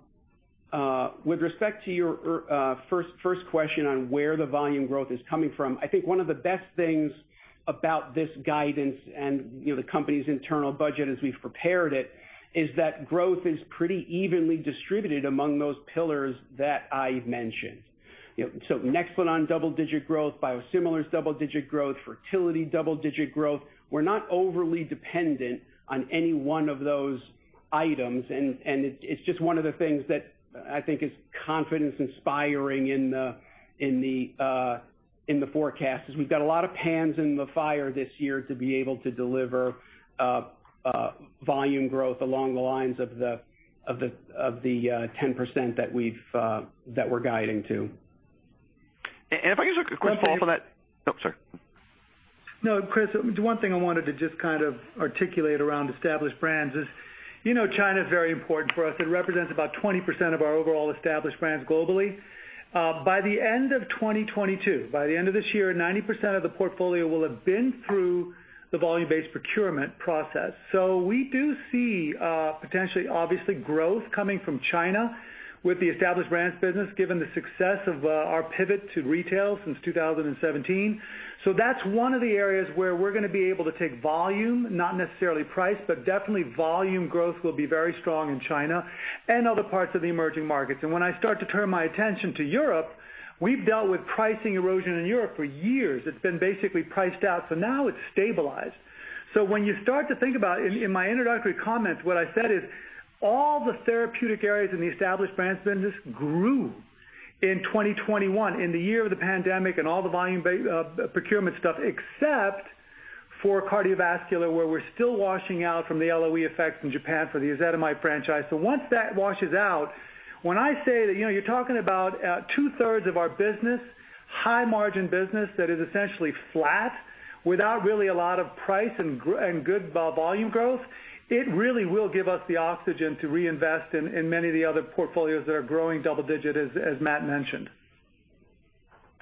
D: With respect to your first question on where the volume growth is coming from, I think one of the best things about this guidance and, you know, the company's internal budget as we've prepared it, is that growth is pretty evenly distributed among those pillars that I've mentioned. You know, so NEXPLANON®, double-digit growth, biosimilars, double-digit growth, fertility, double-digit growth. We're not overly dependent on any one of those items, and it's just one of the things that I think is confidence inspiring in the forecast, is we've got a lot of pans in the fire this year to be able to deliver volume growth along the lines of the 10% that we're guiding to.
F: If I could just quick follow up on that? Oh, sorry.
C: No, Chris, the one thing I wanted to just kind of articulate around Established Brands is, you know, China is very important for us. It represents about 20% of our overall Established Brands globally. By the end of 2022, by the end of this year, 90% of the portfolio will have been through the volume-based procurement process. We do see potentially, obviously growth coming from China with the Established Brands business given the success of our pivot to retail since 2017. That's one of the areas where we're gonna be able to take volume, not necessarily price, but definitely volume growth will be very strong in China and other parts of the emerging markets. When I start to turn my attention to Europe, we've dealt with pricing erosion in Europe for years. It's been basically priced out, so now it's stabilized. When you start to think about it, in my introductory comments, what I said is all the therapeutic areas in the Established Brands business grew in 2021, in the year of the pandemic and all the volume procurement stuff, except for cardiovascular, where we're still washing out from the LOE effects in Japan for the ezetimibe franchise. Once that washes out, when I say that, you know, you're talking about two-thirds of our business, high margin business that is essentially flat without really a lot of price and good volume growth, it really will give us the oxygen to reinvest in many of the other portfolios that are growing double-digit, as Matt mentioned.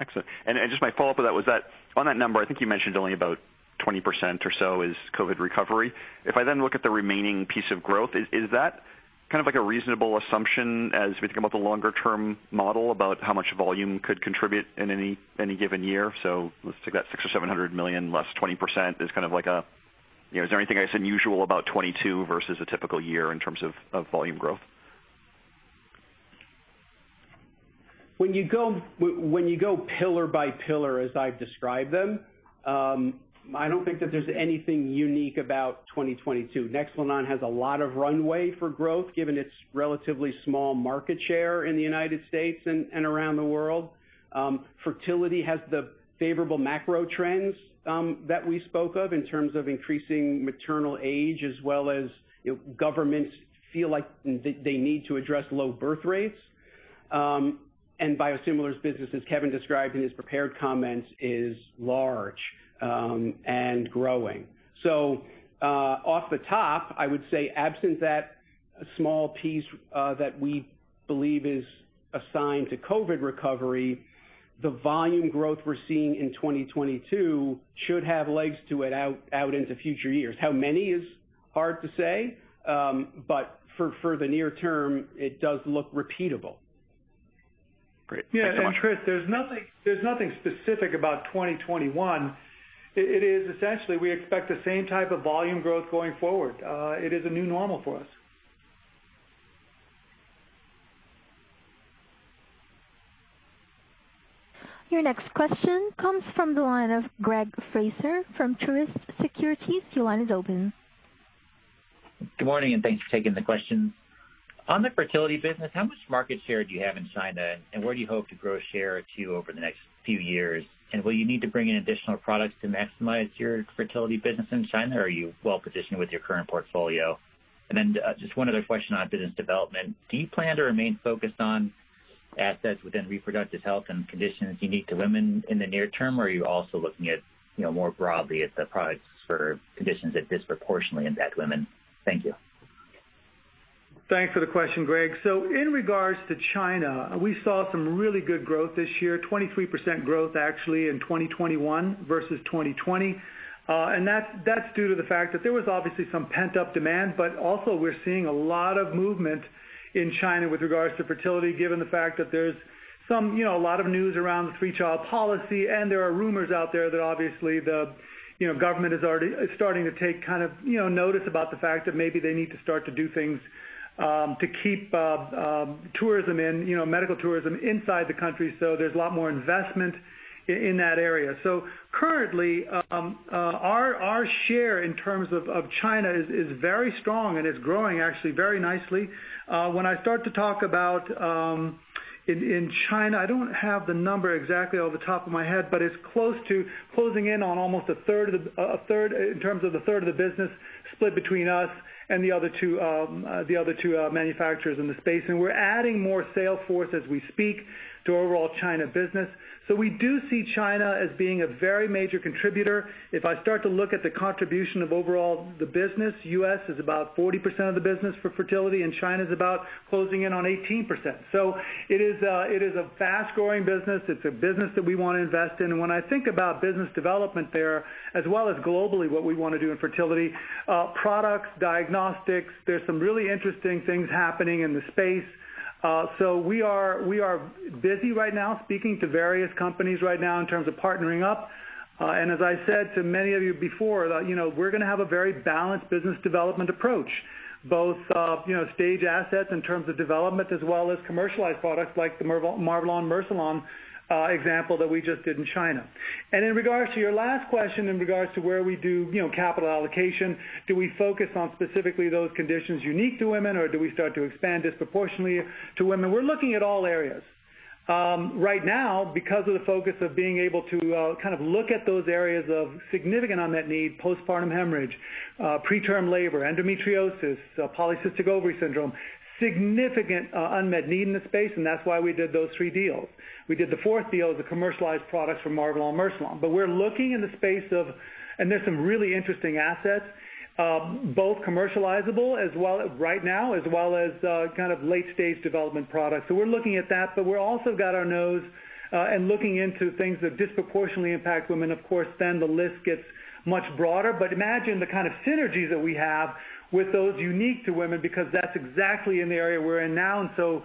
F: Excellent. Just my follow-up to that was that on that number, I think you mentioned only about 20% or so is COVID recovery. If I then look at the remaining piece of growth, is that kind of like a reasonable assumption as we think about the longer term model about how much volume could contribute in any given year? Let's take that $600 million-$700 million less 20% is kind of like a. You know, is there anything that's unusual about 2022 versus a typical year in terms of volume growth?
D: When you go pillar by pillar as I've described them, I don't think that there's anything unique about 2022. NEXPLANON® has a lot of runway for growth given its relatively small market share in the United States and around the world. Fertility has the favorable macro trends that we spoke of in terms of increasing maternal age as well as, you know, governments feel like they need to address low birth rates. Biosimilars business, as Kevin described in his prepared comments, is large and growing. Off the top, I would say absent that small piece that we believe is assigned to COVID recovery, the volume growth we're seeing in 2022 should have legs to it out into future years. How many is hard to say, but for the near term, it does look repeatable.
F: Great. Thanks so much.
C: Yeah. Chris, there's nothing specific about 2021. It is essentially we expect the same type of volume growth going forward. It is a new normal for us.
A: Your next question comes from the line of Greg Fraser from Truist Securities. Your line is open.
G: Good morning, and thanks for taking the questions. On the fertility business, how much market share do you have in China, and where do you hope to grow share to over the next few years? Will you need to bring in additional products to maximize your fertility business in China, or are you well-positioned with your current portfolio? Just one other question on business development. Do you plan to remain focused on assets within reproductive health and conditions unique to women in the near term, or are you also looking at, you know, more broadly at the products for conditions that disproportionately impact women? Thank you.
C: Thanks for the question, Greg. In regards to China, we saw some really good growth this year, 23% growth actually in 2021 versus 2020. That's due to the fact that there was obviously some pent-up demand, but also we're seeing a lot of movement in China with regards to fertility, given the fact that there's some, you know, a lot of news around the three-child policy, and there are rumors out there that obviously the, you know, government is already starting to take kind of, you know, notice about the fact that maybe they need to start to do things to keep tourism in, you know, medical tourism inside the country. There's a lot more investment in that area. Currently, our share in terms of China is very strong, and it's growing actually very nicely. When I start to talk about in China, I don't have the number exactly off the top of my head, but it's close to closing in on almost 1/3 in terms of the business split between us and the other two manufacturers in the space. We're adding more sales force as we speak to overall China business. We do see China as being a very major contributor. If I start to look at the contribution of the overall business, U.S. is about 40% of the business for fertility, and China's about closing in on 18%. It is a fast-growing business. It's a business that we wanna invest in. When I think about business development there, as well as globally, what we wanna do in fertility, products, diagnostics, there's some really interesting things happening in the space. So we are busy right now speaking to various companies right now in terms of partnering up. As I said to many of you before that, you know, we're gonna have a very balanced business development approach, both, you know, stage assets in terms of development as well as commercialized products like the MARVELON®/MERCILON® example that we just did in China. In regards to your last question in regards to where we do, you know, capital allocation, do we focus on specifically those conditions unique to women, or do we start to expand disproportionately to women? We're looking at all areas. Right now because of the focus of being able to, kind of look at those areas of significant unmet need, postpartum hemorrhage, preterm labor, endometriosis, polycystic ovary syndrome, significant unmet need in the space, and that's why we did those three deals. We did the fourth deal as a commercialized product for MARVELON/MERCILON. We're looking in the space of. There's some really interesting assets, both commercializable as well right now, as well as, kind of late-stage development products. We're looking at that, but we're also got our nose, and looking into things that disproportionately impact women. Of course, then the list gets much broader. Imagine the kind of synergies that we have with those unique to women because that's exactly in the area we're in now. You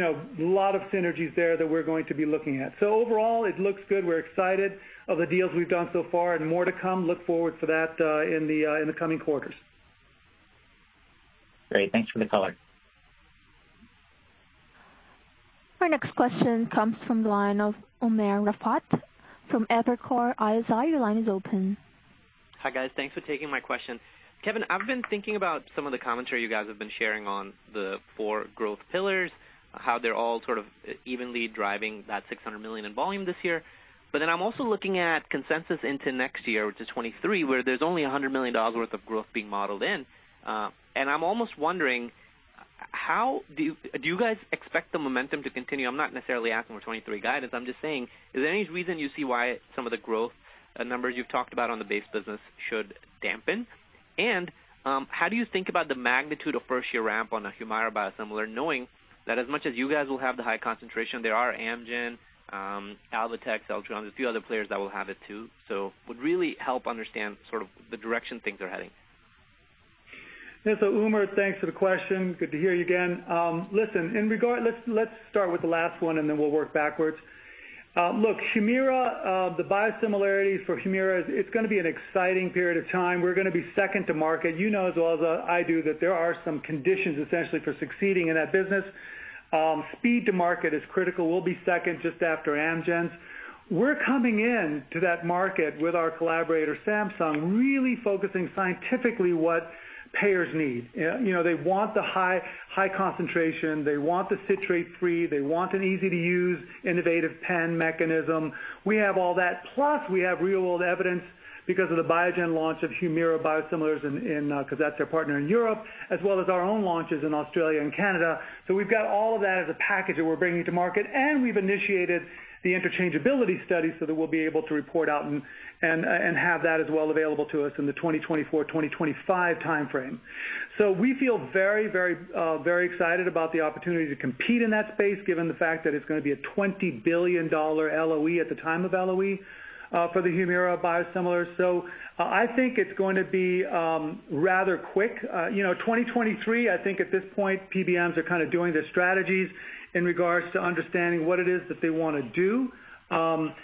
C: know, a lot of synergies there that we're going to be looking at. Overall it looks good. We're excited of the deals we've done so far and more to come. Look forward to that in the coming quarters.
G: Great. Thanks for the color.
A: Our next question comes from the line of Umer Raffat from Evercore ISI. Your line is open.
H: Hi guys. Thanks for taking my question. Kevin, I've been thinking about some of the commentary you guys have been sharing on the four growth pillars, how they're all sort of evenly driving that $600 million in volume this year. I'm also looking at consensus into next year, which is 2023, where there's only $100 million worth of growth being modeled in. I'm almost wondering, how do you guys expect the momentum to continue? I'm not necessarily asking for 2023 guidance. I'm just saying, is there any reason you see why some of the growth numbers you've talked about on the base business should dampen? How do you think about the magnitude of first year ramp on a Humira biosimilar, knowing that as much as you guys will have the high concentration, there are Amgen, Alvotech, a few other players that will have it too? Would really help understand sort of the direction things are heading.
C: Yeah. Umer, thanks for the question. Good to hear you again. Listen, let's start with the last one, and then we'll work backwards. Look, Humira, the biosimilar for Humira® is it's gonna be an exciting period of time. We're gonna be second to market. You know as well as I do that there are some conditions essentially for succeeding in that business. Speed to market is critical. We'll be second just after Amgen. We're coming into that market with our collaborator, Samsung, really focusing scientifically what payers need. You know, they want the high concentration, they want the citrate-free, they want an easy-to-use innovative pen mechanism. We have all that, plus we have real-world evidence because of the Biogen launch of Humira® biosimilars in Europe, 'cause that's our partner in Europe, as well as our own launches in Australia and Canada. We've got all of that as a package that we're bringing to market, and we've initiated the interchangeability study so that we'll be able to report out and have that as well available to us in the 2024/2025 timeframe. We feel very excited about the opportunity to compete in that space, given the fact that it's gonna be a $20 billion LOE at the time of LOE for the Humira® biosimilar. I think it's going to be rather quick. You know, 2023, I think at this point, PBMs are kind of doing their strategies in regards to understanding what it is that they want to do. I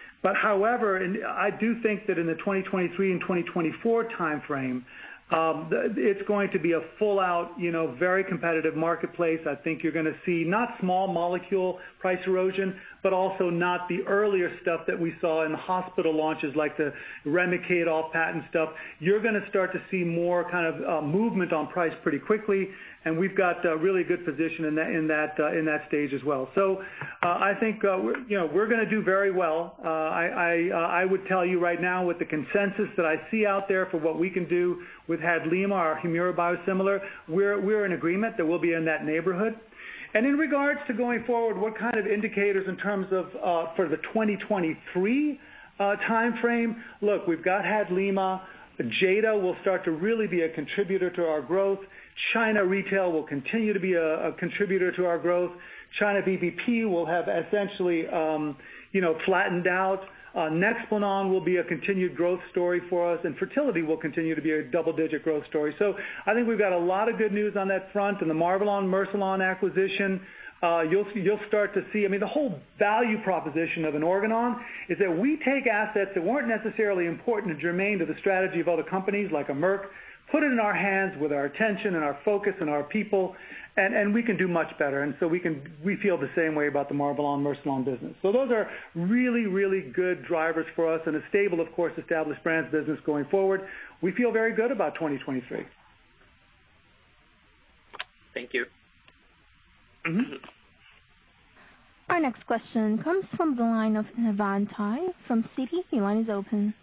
C: do think that in the 2023 and 2024 timeframe, it's going to be a full out, you know, very competitive marketplace. I think you're going to see not small molecule price erosion, but also not the earlier stuff that we saw in hospital launches, like the Remicade off-patent stuff. You're going to start to see more kind of movement on price pretty quickly, and we've got a really good position in that stage as well. I think, you know, we're going to do very well. I would tell you right now with the consensus that I see out there for what we can do with Hadlima®, our Humira® biosimilar, we're in agreement that we'll be in that neighborhood. In regards to going forward, what kind of indicators in terms of for the 2023 timeframe, look, we've got Hadlima®. Jada® will start to really be a contributor to our growth. China Retail will continue to be a contributor to our growth. China VBP will have essentially, you know, flattened out. NEXPLANON® will be a continued growth story for us, and fertility will continue to be a double-digit growth story. I think we've got a lot of good news on that front. The MARVELON®-MERCILON® acquisition, you'll see. You'll start to see. I mean, the whole value proposition of an Organon is that we take assets that weren't necessarily important or germane to the strategy of other companies like a Merck, put it in our hands with our attention and our focus and our people, and we can do much better. We feel the same way about the MARVELON®-MERCILON® business. Those are really, really good drivers for us and a stable, of course, Established Brands business going forward. We feel very good about 2023.
H: Thank you.
C: Mm-hmm.
A: Our next question comes from the line of Navann Ty from Citi. Your line is open.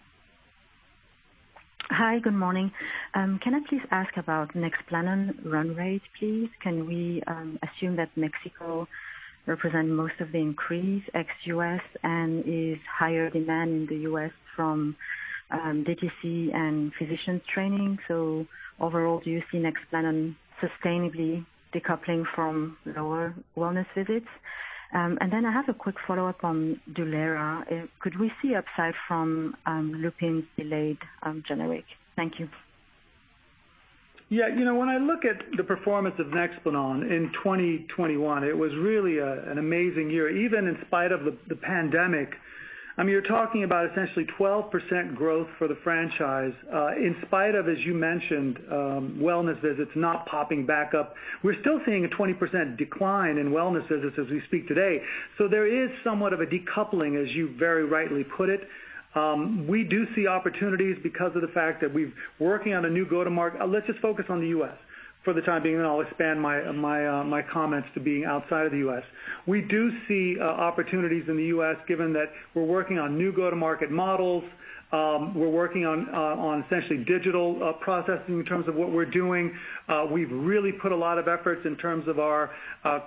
I: Hi, good morning. Can I please ask about NEXPLANON® run rate, please? Can we assume that Mexico represent most of the increase ex-US and is higher demand in the US from DTC and physician training? Overall, do you see NEXPLANON® sustainably decoupling from lower wellness visits? I have a quick follow-up on Dulera®. Could we see upside from Lupin's delayed generic? Thank you.
C: Yeah, you know, when I look at the performance of NEXPLANON® in 2021, it was really an amazing year, even in spite of the pandemic. I mean, you're talking about essentially 12% growth for the franchise, in spite of, as you mentioned, wellness visits not popping back up. We're still seeing a 20% decline in wellness visits as we speak today. There is somewhat of a decoupling, as you very rightly put it. We do see opportunities because of the fact that we're working on a new go-to-market. Let's just focus on the U.S. for the time being, and I'll expand my comments to being outside of the U.S. We do see opportunities in the U.S. given that we're working on new go-to-market models. We're working on essentially digital processing in terms of what we're doing. We've really put a lot of efforts in terms of our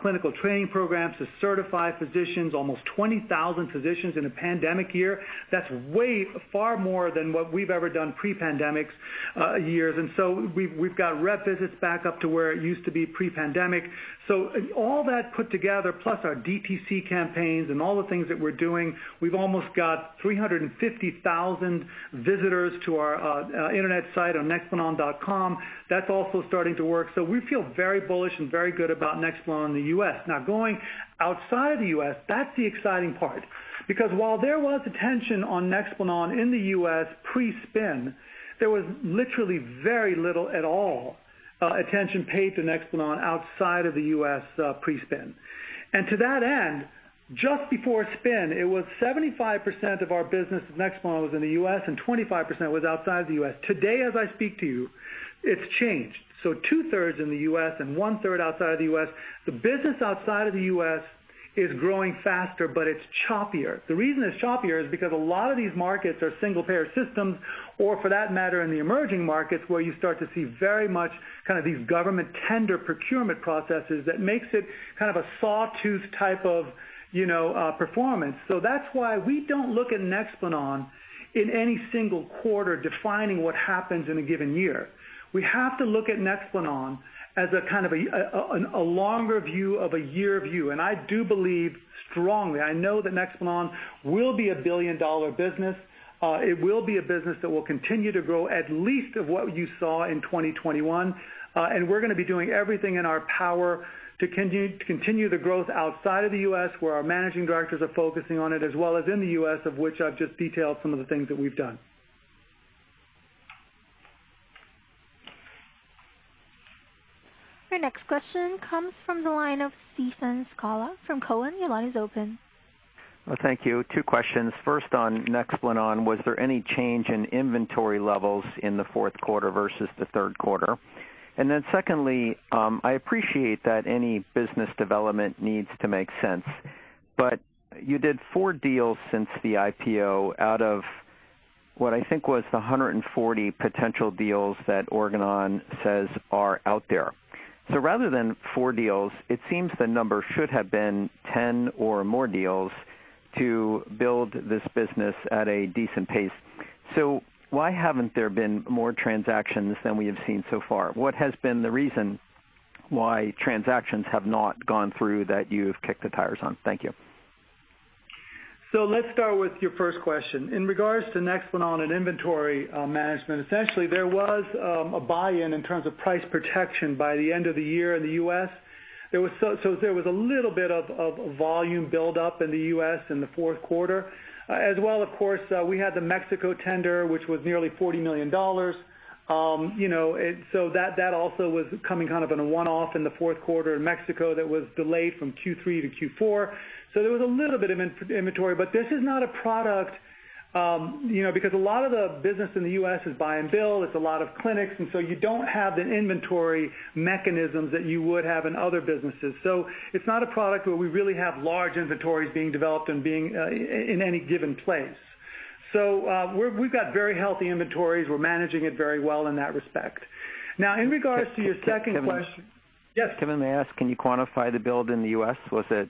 C: clinical training programs to certify physicians, almost 20,000 physicians in a pandemic year. That's way far more than what we've ever done pre-pandemics years. We've got rep visits back up to where it used to be pre-pandemic. All that put together, plus our DTC campaigns and all the things that we're doing, we've almost got 350,000 visitors to our internet site on nexplanon.com. That's also starting to work. We feel very bullish and very good about NEXPLANON® in the U.S. Now, going outside the U.S., that's the exciting part. Because while there was attention on NEXPLANON® in the U.S. pre-spin, there was literally very little at all, attention paid to NEXPLANON® outside of the U.S., pre-spin. To that end, just before spin, it was 75% of our business of NEXPLANON® was in the U.S. and 25% was outside the U.S. Today, as I speak to you, it's changed. Two-thirds in the U.S. and one-third outside of the U.S. The business outside of the U.S. is growing faster, but it's choppier. The reason it's choppier is because a lot of these markets are single payer systems, or for that matter, in the emerging markets where you start to see very much kind of these government tender procurement processes that makes it kind of a sawtooth type of, you know, performance. That's why we don't look at NEXPLANON® in any single quarter defining what happens in a given year. We have to look at NEXPLANON® as a kind of longer view of a year view. I do believe strongly, I know that NEXPLANON® will be a billion-dollar business. It will be a business that will continue to grow at least of what you saw in 2021. We're gonna be doing everything in our power to continue the growth outside of the U.S., where our managing directors are focusing on it, as well as in the U.S., of which I've just detailed some of the things that we've done.
A: Your next question comes from the line of Steven Scala from Cowen. Your line is open.
J: Thank you. Two questions. First, on NEXPLANON®, was there any change in inventory levels in the fourth quarter versus the third quarter? Secondly, I appreciate that any business development needs to make sense, but you did four deals since the IPO out of what I think was the 140 potential deals that Organon says are out there. Rather than four deals, it seems the number should have been 10 or more deals to build this business at a decent pace. Why haven't there been more transactions than we have seen so far? What has been the reason why transactions have not gone through that you have kicked the tires on? Thank you.
C: Let's start with your first question. In regards to NEXPLANON® and inventory management, essentially, there was a buy-in in terms of price protection by the end of the year in the U.S. There was a little bit of volume buildup in the U.S. in the fourth quarter. As well, of course, we had the Mexico tender, which was nearly $40 million. You know, that also was coming kind of in a one-off in the fourth quarter in Mexico that was delayed from Q3 to Q4. There was a little bit of inventory, but this is not a product, you know, because a lot of the business in the U.S. is buy and bill. It's a lot of clinics, and so you don't have the inventory mechanisms that you would have in other businesses. It's not a product where we really have large inventories being developed and being in any given place. We've got very healthy inventories. We're managing it very well in that respect. Now, in regards to your second question.
J: Kevin.
C: Yes.
J: Kevin, may I ask, can you quantify the build in the U.S.? Was it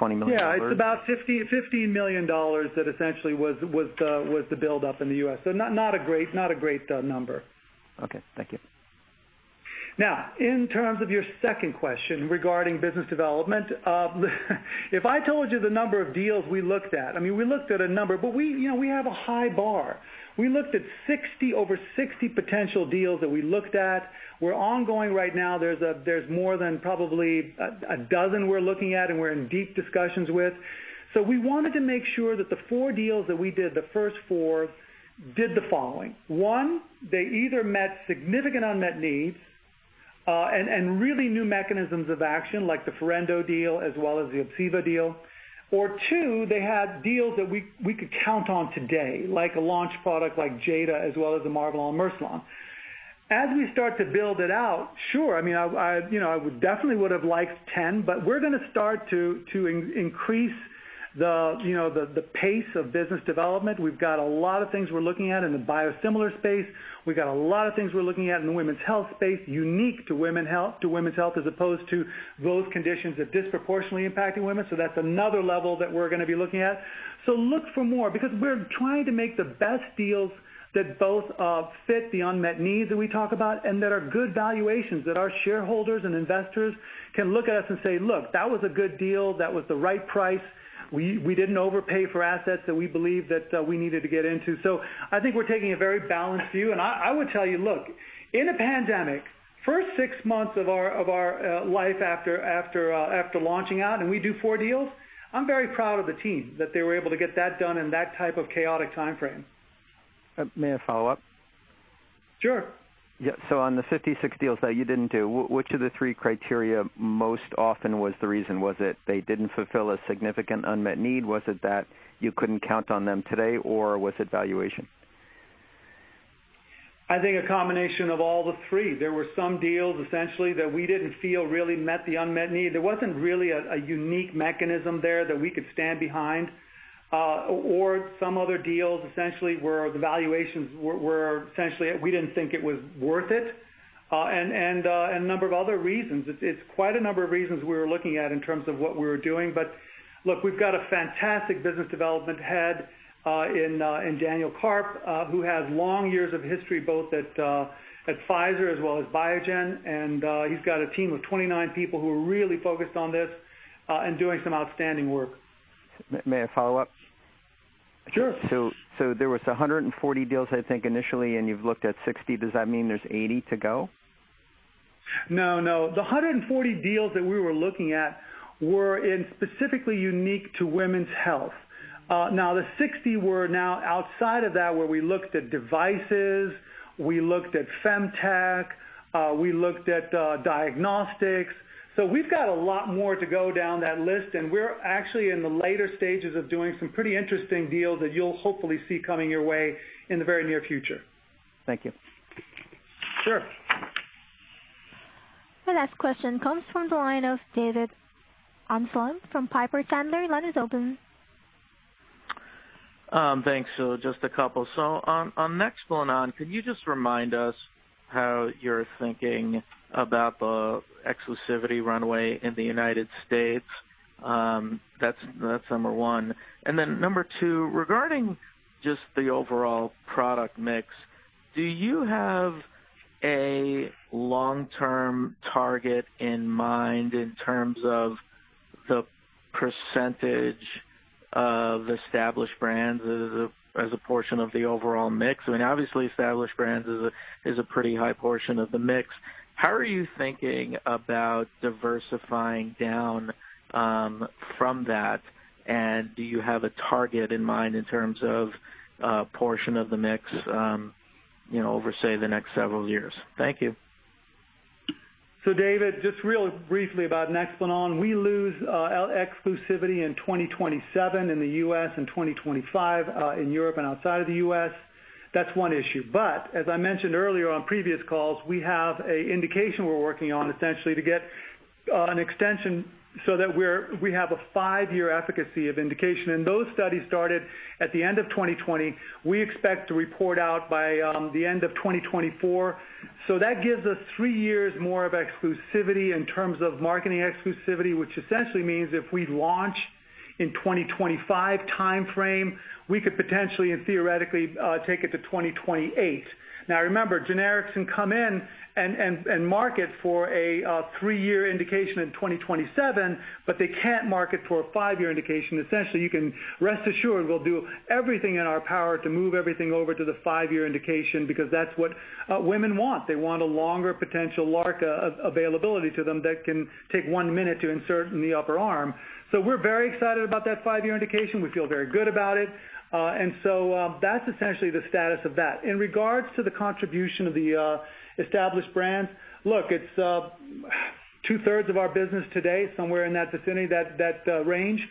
J: $20 million?
C: Yeah, it's about $50 million that essentially was the buildup in the U.S. Not a great number.
J: Okay, thank you.
C: Now, in terms of your second question regarding business development, if I told you the number of deals we looked at, I mean, we looked at a number, but you know, we have a high bar. We looked at 60, over 60 potential deals. We're ongoing right now. There's more than probably a dozen we're looking at and we're in deep discussions with. We wanted to make sure that the four deals that we did, the first four, did the following. One, they either met significant unmet needs and really new mechanisms of action, like the Forendo deal as well as the ObsEva deal, or two, they had deals that we could count on today, like a launch product like Jada® as well as the MARVELON® and MERCILON®. As we start to build it out, sure, I mean, you know, I would definitely have liked 10, but we're gonna start to increase the pace of business development. We've got a lot of things we're looking at in the biosimilar space. We've got a lot of things we're looking at in the women's health space, unique to women's health, as opposed to those conditions that disproportionately impacting women. That's another level that we're gonna be looking at. Look for more because we're trying to make the best deals that both fit the unmet needs that we talk about and that are good valuations that our shareholders and investors can look at us and say, "Look, that was a good deal. That was the right price. We didn't overpay for assets that we believed that we needed to get into. I think we're taking a very balanced view. I would tell you, look, in a pandemic, first six months of our life after launching out and we do four deals, I'm very proud of the team that they were able to get that done in that type of chaotic timeframe.
J: May I follow up?
C: Sure.
J: Yeah. On the 56 deals that you didn't do, which of the three criteria most often was the reason? Was it they didn't fulfill a significant unmet need? Was it that you couldn't count on them today or was it valuation?
C: I think a combination of all the three. There were some deals essentially that we didn't feel really met the unmet need. There wasn't really a unique mechanism there that we could stand behind, or some other deals essentially where the valuations were essentially we didn't think it was worth it. And a number of other reasons. It's quite a number of reasons we were looking at in terms of what we were doing. Look, we've got a fantastic business development head in Daniel Karp, who has long years of history, both at Pfizer as well as Biogen. He's got a team of 29 people who are really focused on this and doing some outstanding work.
J: May I follow up?
C: Sure.
J: There was 140 deals, I think, initially, and you've looked at 60. Does that mean there's 80 to go?
C: No, no. The 140 deals that we were looking at were in specifically unique to women's health. Now the 60 were outside of that, where we looked at devices, we looked at FemTech, we looked at diagnostics. We've got a lot more to go down that list and we're actually in the later stages of doing some pretty interesting deals that you'll hopefully see coming your way in the very near future.
J: Thank you.
C: Sure.
A: The next question comes from the line of David Amsellem from Piper Sandler. The line is open.
K: Just a couple. On NEXPLANON®, can you just remind us how you're thinking about the exclusivity runway in the United States? That's number one. Number two, regarding just the overall product mix, do you have a long-term target in mind in terms of the percentage of Established Brands as a portion of the overall mix? I mean, obviously Established Brands is a pretty high portion of the mix. How are you thinking about diversifying down from that, and do you have a target in mind in terms of portion of the mix, you know, over, say, the next several years? Thank you.
C: David, just real briefly about NEXPLANO®. We lose exclusivity in 2027 in the U.S., in 2025 in Europe and outside of the U.S. That's one issue. As I mentioned earlier on previous calls, we have an indication we're working on essentially to get an extension so that we have a five-year efficacy indication. Those studies started at the end of 2020. We expect to report out by the end of 2024. That gives us three years more of exclusivity in terms of marketing exclusivity, which essentially means if we launch in 2025 timeframe, we could potentially and theoretically take it to 2028. Now remember, generics can come in and market for a three-year indication in 2027, but they can't market for a five-year indication. Essentially, you can rest assured we'll do everything in our power to move everything over to the five-year indication because that's what women want. They want a longer potential LARC availability to them that can take one minute to insert in the upper arm. We're very excited about that five-year indication. We feel very good about it. That's essentially the status of that. In regards to the contribution of the Established Brands, look, it's two-thirds of our business today, somewhere in that vicinity, that range.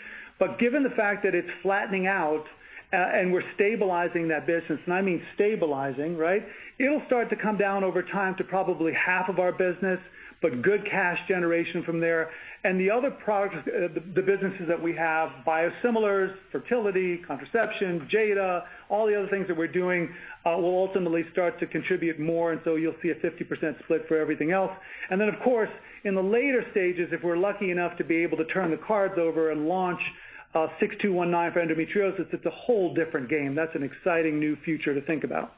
C: Given the fact that it's flattening out and we're stabilizing that business, and I mean stabilizing, right? It'll start to come down over time to probably half of our business, but good cash generation from there. The other products, the businesses that we have, biosimilars, fertility, contraception, Jada®, all the other things that we're doing, will ultimately start to contribute more, and so you'll see a 50% split for everything else. Then, of course, in the later stages, if we're lucky enough to be able to turn the cards over and launch, OG-6219 for endometriosis, it's a whole different game. That's an exciting new future to think about.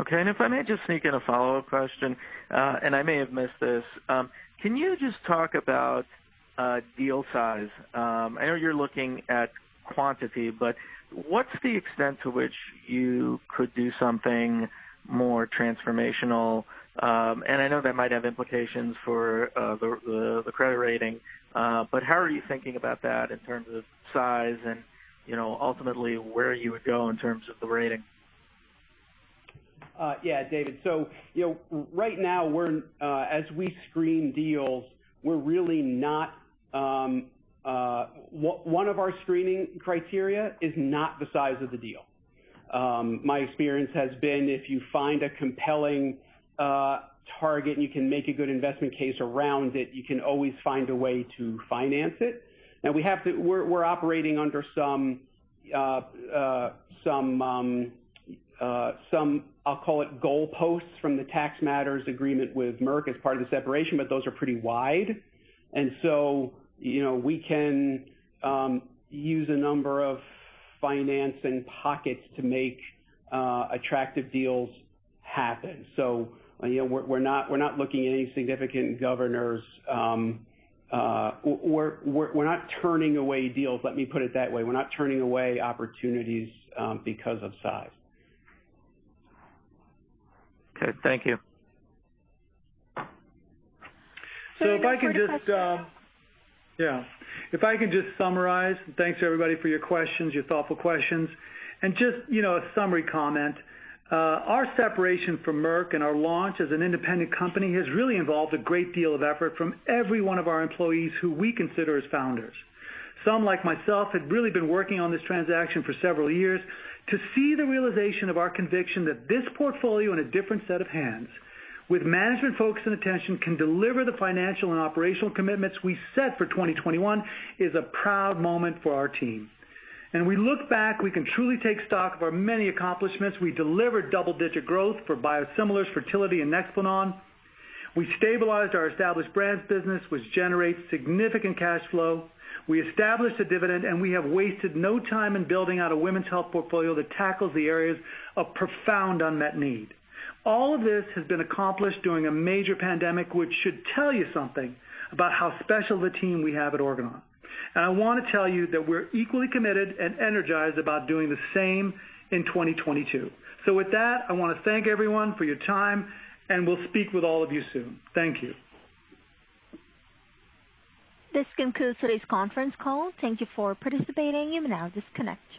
K: Okay. If I may just sneak in a follow-up question, and I may have missed this. Can you just talk about deal size? I know you're looking at quantity, but what's the extent to which you could do something more transformational? I know that might have implications for the credit rating, but how are you thinking about that in terms of size and, you know, ultimately where you would go in terms of the rating?
D: Yeah, David. You know, right now as we screen deals, we're really not. One of our screening criteria is not the size of the deal. My experience has been if you find a compelling target and you can make a good investment case around it, you can always find a way to finance it. We're operating under some, I'll call it, goalposts from the tax matters agreement with Merck as part of the separation, but those are pretty wide. You know, we can use a number of financing options to make attractive deals happen. You know, we're not looking at any significant guardrails. We're not turning away deals. Let me put it that way. We're not turning away opportunities because of size.
K: Okay, thank you.
C: If I can just,
A: Sorry, no more question.
C: Yeah. If I can just summarize, and thanks everybody for your questions, your thoughtful questions. Just, you know, a summary comment. Our separation from Merck and our launch as an independent company has really involved a great deal of effort from every one of our employees who we consider as founders. Some, like myself, had really been working on this transaction for several years. To see the realization of our conviction that this portfolio in a different set of hands with management focus and attention can deliver the financial and operational commitments we set for 2021 is a proud moment for our team. We look back, we can truly take stock of our many accomplishments. We delivered double-digit growth for biosimilars, fertility, and NEXPLANON®. We stabilized our Established Brands business, which generates significant cash flow. We established a dividend, and we have wasted no time in building out a women's health portfolio that tackles the areas of profound unmet need. All of this has been accomplished during a major pandemic, which should tell you something about how special the team we have at Organon. I wanna tell you that we're equally committed and energized about doing the same in 2022. With that, I wanna thank everyone for your time, and we'll speak with all of you soon. Thank you.
A: This concludes today's conference call. Thank you for participating. You may now disconnect.